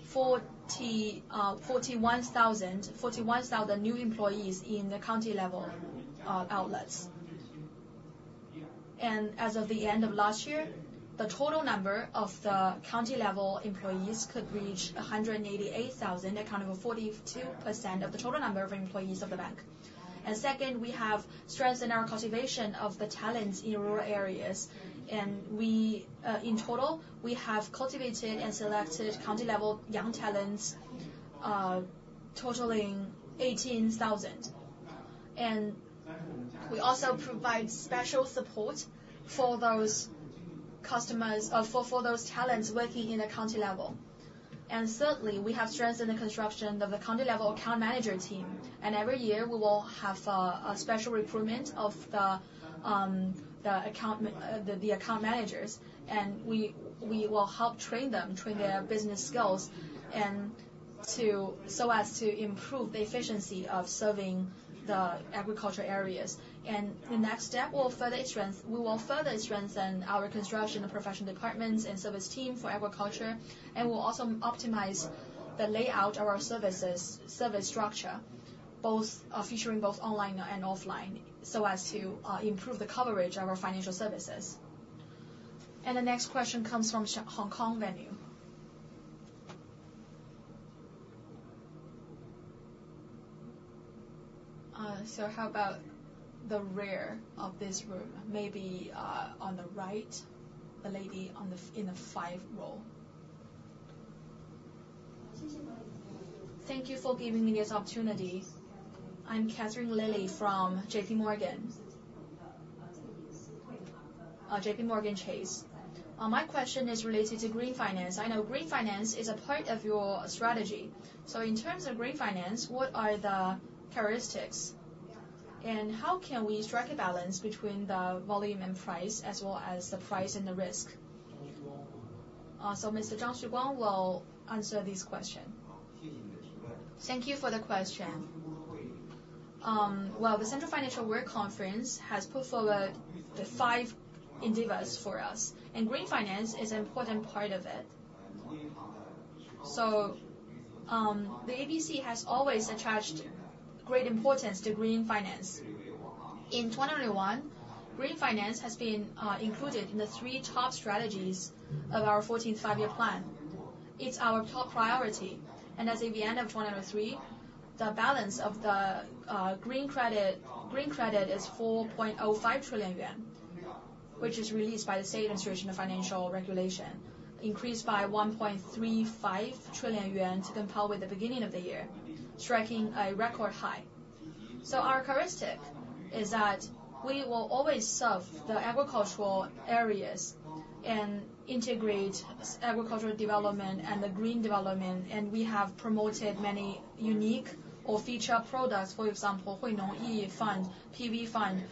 A: 41,000 new employees in the county-level outlets. And as of the end of last year, the total number of the county-level employees could reach 188,000, accounting for 42% of the total number of employees of the bank. Second, we have strengthened our cultivation of the talents in rural areas. In total, we have cultivated and selected county-level young talents, totaling 18,000. We also provide special support for those customers or for those talents working in the county level. Thirdly, we have strengthened the construction of the county-level account manager team. Every year, we will have a special recruitment of the account managers. We will help train them, train their business skills so as to improve the efficiency of serving the agricultural areas. In the next step, we will further strengthen our construction and professional departments and service team for agriculture. We'll also optimize the layout of our service structure, featuring both online and offline so as to improve the coverage of our financial services. The next question comes from the Hong Kong venue. So how about the rear of this room? Maybe, on the right, the lady in the fifth row. Thank you for giving me this opportunity. I'm Katherine Lei from J.P. Morgan, J.P. Morgan Chase. My question is related to green finance. I know green finance is a part of your strategy. So in terms of green finance, what are the characteristics? And how can we strike a balance between the volume and price as well as the price and the risk? So Mr. Zhang Xuguang will answer this question. Thank you for the question. Well, the Central Financial World Conference has put forward the five endeavors for us. And green finance is an important part of it. So, the ABC has always attached great importance to green finance. In 2021, green finance has been included in the three top strategies of our 14th Five-Year Plan. It's our top priority. As of the end of 2023, the balance of the green credit is 4.05 trillion yuan, which is released by the State Administration of Financial Regulation, increased by 1.35 trillion yuan to compare with the beginning of the year, striking a record high. Our characteristic is that we will always serve the agricultural areas and integrate agricultural development and the green development. We have promoted many unique or feature products. For example, Huinong Yi Fund, PV Fund,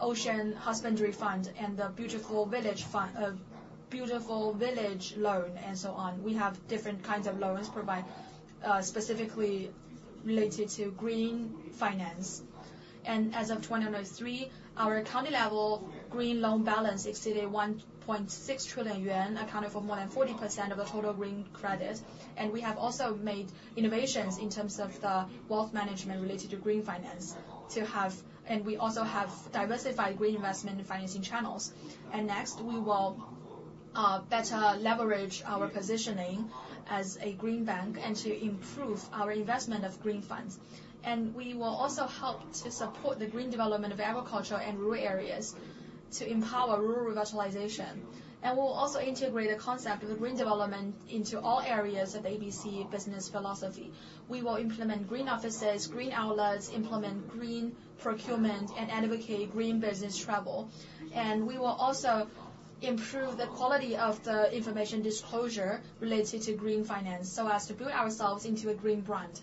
A: Ocean Husbandry Fund, and the Beautiful Countryside Fund, Beautiful Countryside Loan and so on. We have different kinds of loans provide, specifically related to green finance. As of 2023, our county-level green loan balance exceeded 1.6 trillion yuan, accounting for more than 40% of the total green credit. We have also made innovations in terms of the wealth management related to green finance to have and we also have diversified green investment and financing channels. Next, we will better leverage our positioning as a green bank and to improve our investment of green funds. We will also help to support the green development of agriculture and rural areas to empower rural revitalization. We'll also integrate the concept of the green development into all areas of the ABC business philosophy. We will implement green offices, green outlets, implement green procurement, and advocate green business travel. We will also improve the quality of the information disclosure related to green finance so as to build ourselves into a green brand.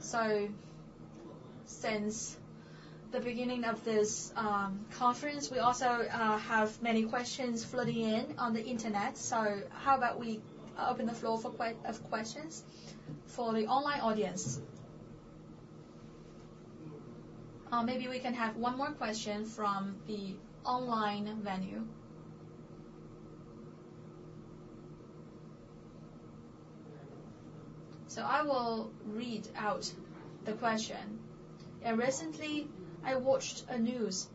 A: So since the beginning of this conference, we also have many questions flooding in on the internet. So how about we open the floor for a queue of questions for the online audience? Maybe we can have one more question from the online venue. So I will read out the question. And recently, I watched the news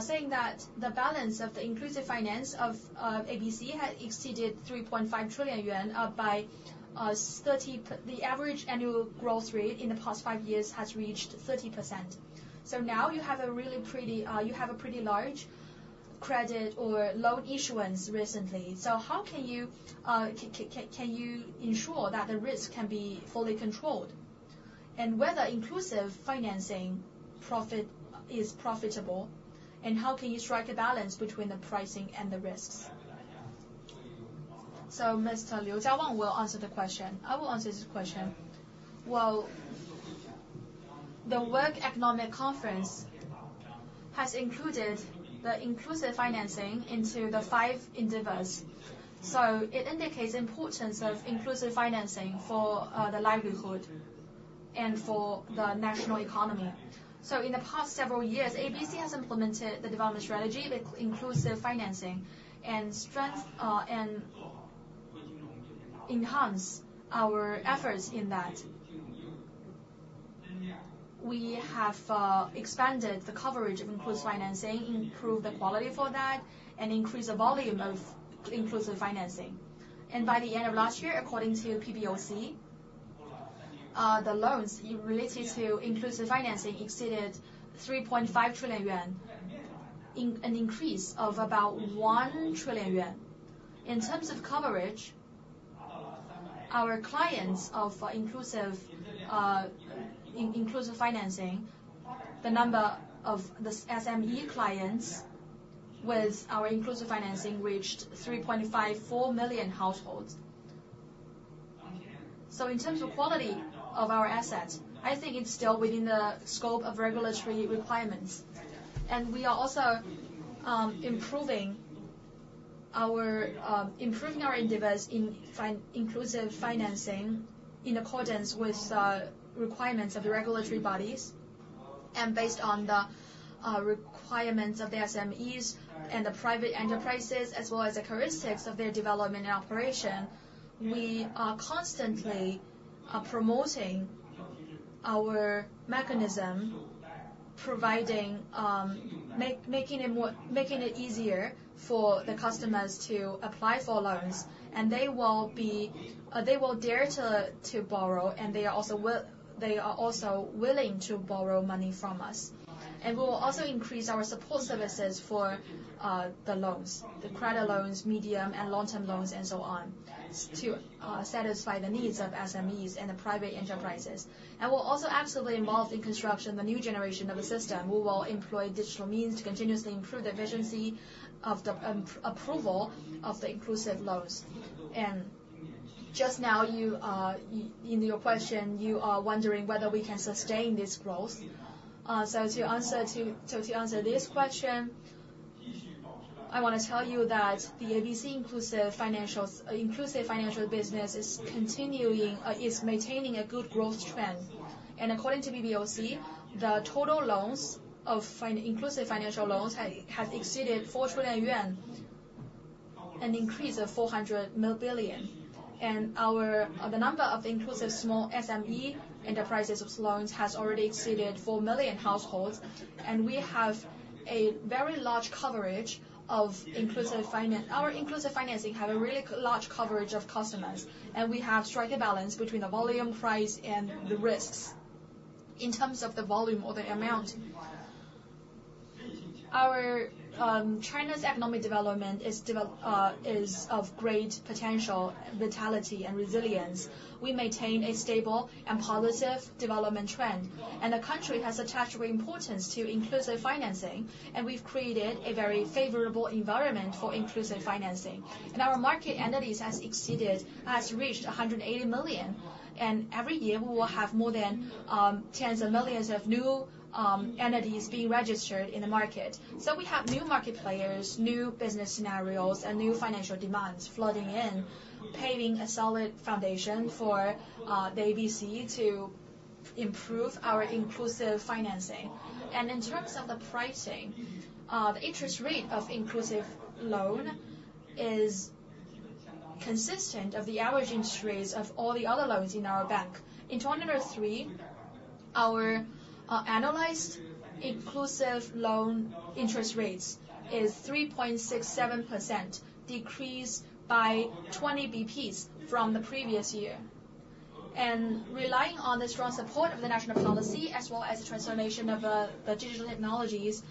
A: saying that the balance of the Inclusive Finance of ABC had exceeded 3.5 trillion yuan by 30%; the average annual growth rate in the past five years has reached 30%. So now, you have a really pretty, you have a pretty large credit or loan issuance recently. So how can you ensure that the risk can be fully controlled? And whether Inclusive Finance is profitable, and how can you strike a balance between the pricing and the risks? So Mr. Liu Jiawang will answer the question. I will answer this question. Well, the World Economic Conference has included the inclusive financing into the five endeavors. It indicates the importance of inclusive financing for the livelihood and for the national economy. In the past several years, ABC has implemented the development strategy with inclusive financing and strength and enhance our efforts in that. We have expanded the coverage of inclusive financing, improved the quality for that, and increased the volume of inclusive financing. By the end of last year, according to PBOC, the loans related to inclusive financing exceeded 3.5 trillion yuan, in an increase of about 1 trillion yuan. In terms of coverage, our clients of inclusive financing, the number of the SME clients with our inclusive financing reached 3.54 million households. In terms of quality of our assets, I think it's still within the scope of regulatory requirements. We are also improving our endeavors in inclusive financing in accordance with requirements of the regulatory bodies. Based on the requirements of the SMEs and the private enterprises as well as the characteristics of their development and operation, we are constantly promoting our mechanism, making it easier for the customers to apply for loans. They will dare to borrow. They are also willing to borrow money from us. We will also increase our support services for the loans, the credit loans, medium- and long-term loans, and so on to satisfy the needs of SMEs and the private enterprises. We're also actively involved in construction of the new generation of the system. We will employ digital means to continuously improve the efficiency of the approval of the inclusive loans. Just now, you in your question, you are wondering whether we can sustain this growth. So to answer this question, I wanna tell you that the ABC inclusive finance business is maintaining a good growth trend. And according to PBOC, the total loans of inclusive finance loans has exceeded 4 trillion yuan and increased by 400 billion. And the number of inclusive small SME enterprises' loans has already exceeded 4 million households. And we have a very large coverage of inclusive finance; our inclusive financing have a really large coverage of customers. And we have strike a balance between the volume, price, and the risks in terms of the volume or the amount. China's economic development is of great potential, vitality, and resilience. We maintain a stable and positive development trend. The country has attached great importance to inclusive financing. We've created a very favorable environment for inclusive financing. Our market entities has reached 180 million. Every year, we will have more than tens of millions of new entities being registered in the market. So we have new market players, new business scenarios, and new financial demands flooding in, paving a solid foundation for the ABC to improve our inclusive financing. In terms of the pricing, the interest rate of inclusive loan is consistent of the average interest rates of all the other loans in our bank. In 2023, our analyzed inclusive loan interest rates is 3.67%, decreased by 20 basis points from the previous year. Relying on the strong support of the national policy as well as the transformation of the digital technologies,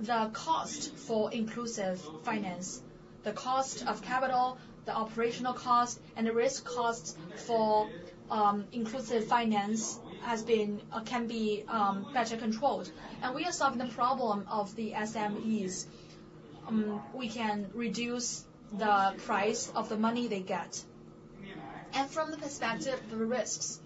A: the cost for inclusive finance, the cost of capital, the operational cost, and the risk costs for inclusive finance has been can be better controlled. We are solving the problem of the SMEs. We can reduce the price of the money they get. From the perspective of the risks,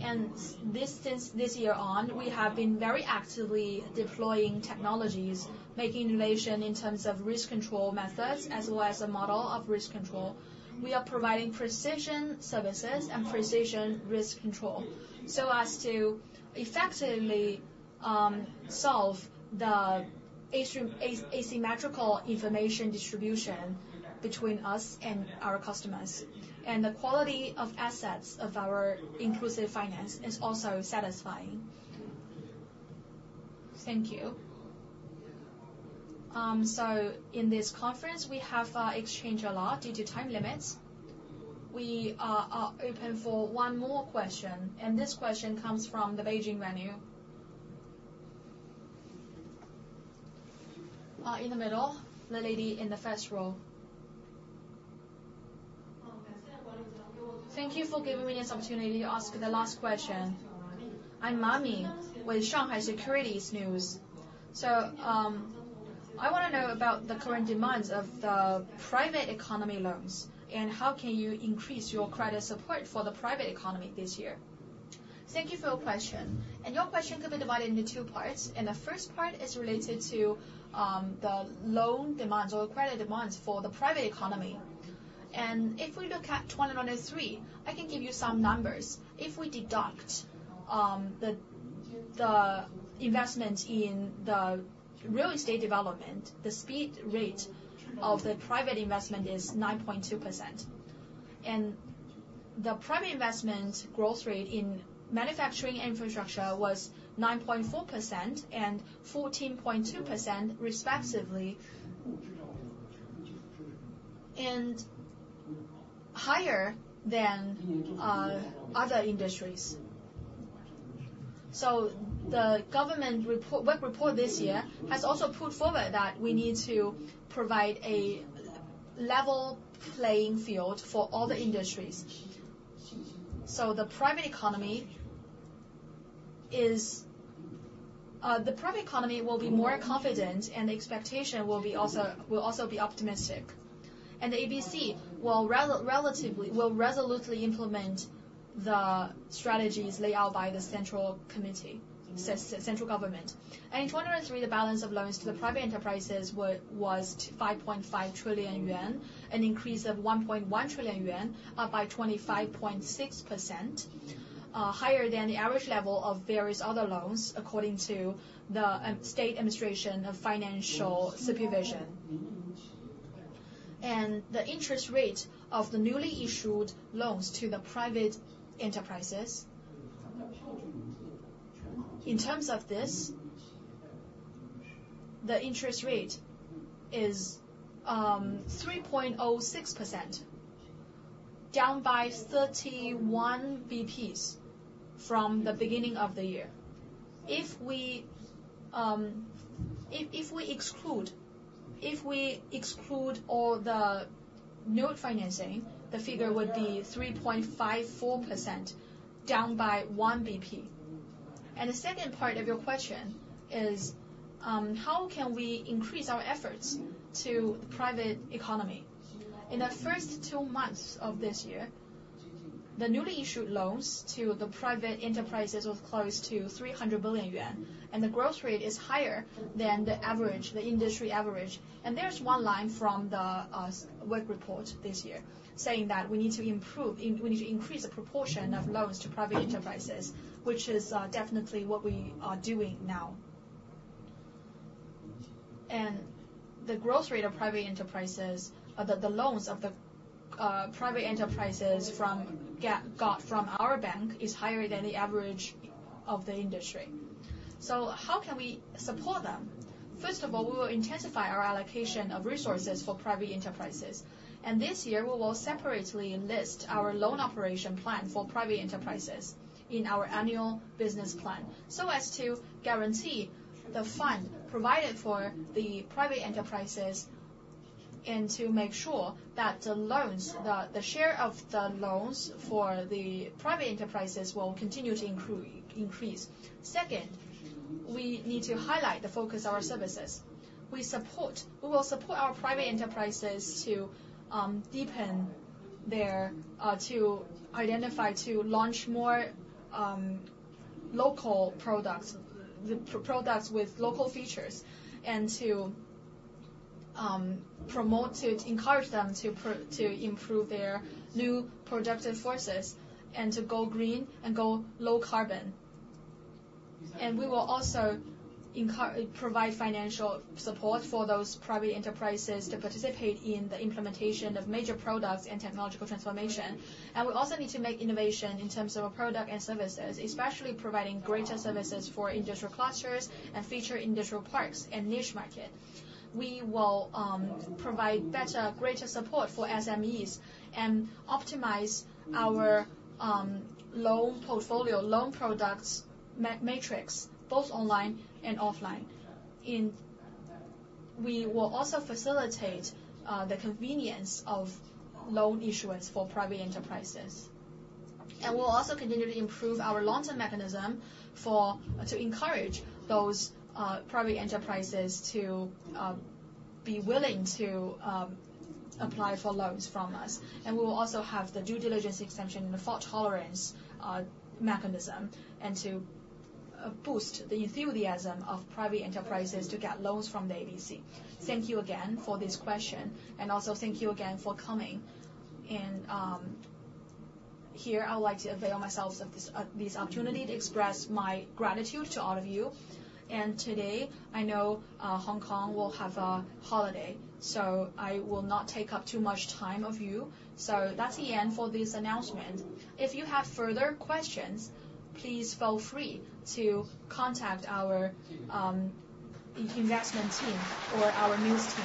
A: and this since this year on, we have been very actively deploying technologies, making innovation in terms of risk control methods as well as a model of risk control. We are providing precision services and precision risk control so as to effectively solve the asymmetrical information distribution between us and our customers. The quality of assets of our inclusive finance is also satisfying. Thank you. So in this conference, we have exchanged a lot due to time limits. We are open for one more question. This question comes from the Beijing venue. In the middle, the lady in the first row. Thank you for giving me this opportunity to ask the last question. I'm Zhang Man with Shanghai Securities News. I wanna know about the current demands of the private economy loans and how can you increase your credit support for the private economy this year? Thank you for your question. Your question could be divided into two parts. The first part is related to the loan demands or credit demands for the private economy. If we look at 2023, I can give you some numbers. If we deduct the investment in the real estate development, the speed rate of the private investment is 9.2%. And the private investment growth rate in manufacturing infrastructure was 9.4% and 14.2% respectively, and higher than other industries. So the government report work report this year has also put forward that we need to provide a level playing field for all the industries. So the private economy is the private economy will be more confident, and the expectation will be also will also be optimistic. And the ABC will relatively will resolutely implement the strategies laid out by the central committee so central government. And in 2023, the balance of loans to the private enterprises was 5.5 trillion yuan, an increase of 1.1 trillion yuan, up by 25.6%, higher than the average level of various other loans according to the State Administration of Financial Supervision. The interest rate of the newly issued loans to the private enterprises, in terms of this, the interest rate is 3.06%, down by 31 basis points from the beginning of the year. If we exclude all the new financing, the figure would be 3.54%, down by 1 basis point. And the second part of your question is, how can we increase our efforts to the private economy? In the first two months of this year, the newly issued loans to the private enterprises was close to 300 billion yuan. And the growth rate is higher than the average, the industry average. And there's one line from the work report this year saying that we need to increase the proportion of loans to private enterprises, which is definitely what we are doing now. And the growth rate of private enterprises, the loans of the private enterprises from our bank is higher than the average of the industry. So how can we support them? First of all, we will intensify our allocation of resources for private enterprises. And this year, we will separately list our loan operation plan for private enterprises in our annual business plan so as to guarantee the fund provided for the private enterprises and to make sure that the share of the loans for the private enterprises will continue to increase. Second, we need to highlight the focus of our services. We will support our private enterprises to deepen their to identify to launch more local products, the products with local features, and to promote to encourage them to improve their new productive forces and to go green and go low carbon. And we will also provide financial support for those private enterprises to participate in the implementation of major products and technological transformation. And we also need to make innovation in terms of our product and services, especially providing greater services for industrial clusters and feature industrial parks and niche market. We will provide greater support for SMEs and optimize our loan portfolio, loan products metrics, both online and offline. We will also facilitate the convenience of loan issuance for private enterprises. And we'll also continue to improve our long-term mechanism for to encourage those private enterprises to be willing to apply for loans from us. And we will also have the due diligence exemption and the fault tolerance mechanism and to boost the enthusiasm of private enterprises to get loans from the ABC. Thank you again for this question. And also thank you again for coming. And here, I would like to avail myself of this opportunity to express my gratitude to all of you. And today, I know, Hong Kong will have a holiday. So I will not take up too much time of you. So that's the end for this announcement. If you have further questions, please feel free to contact our investment team or our news team.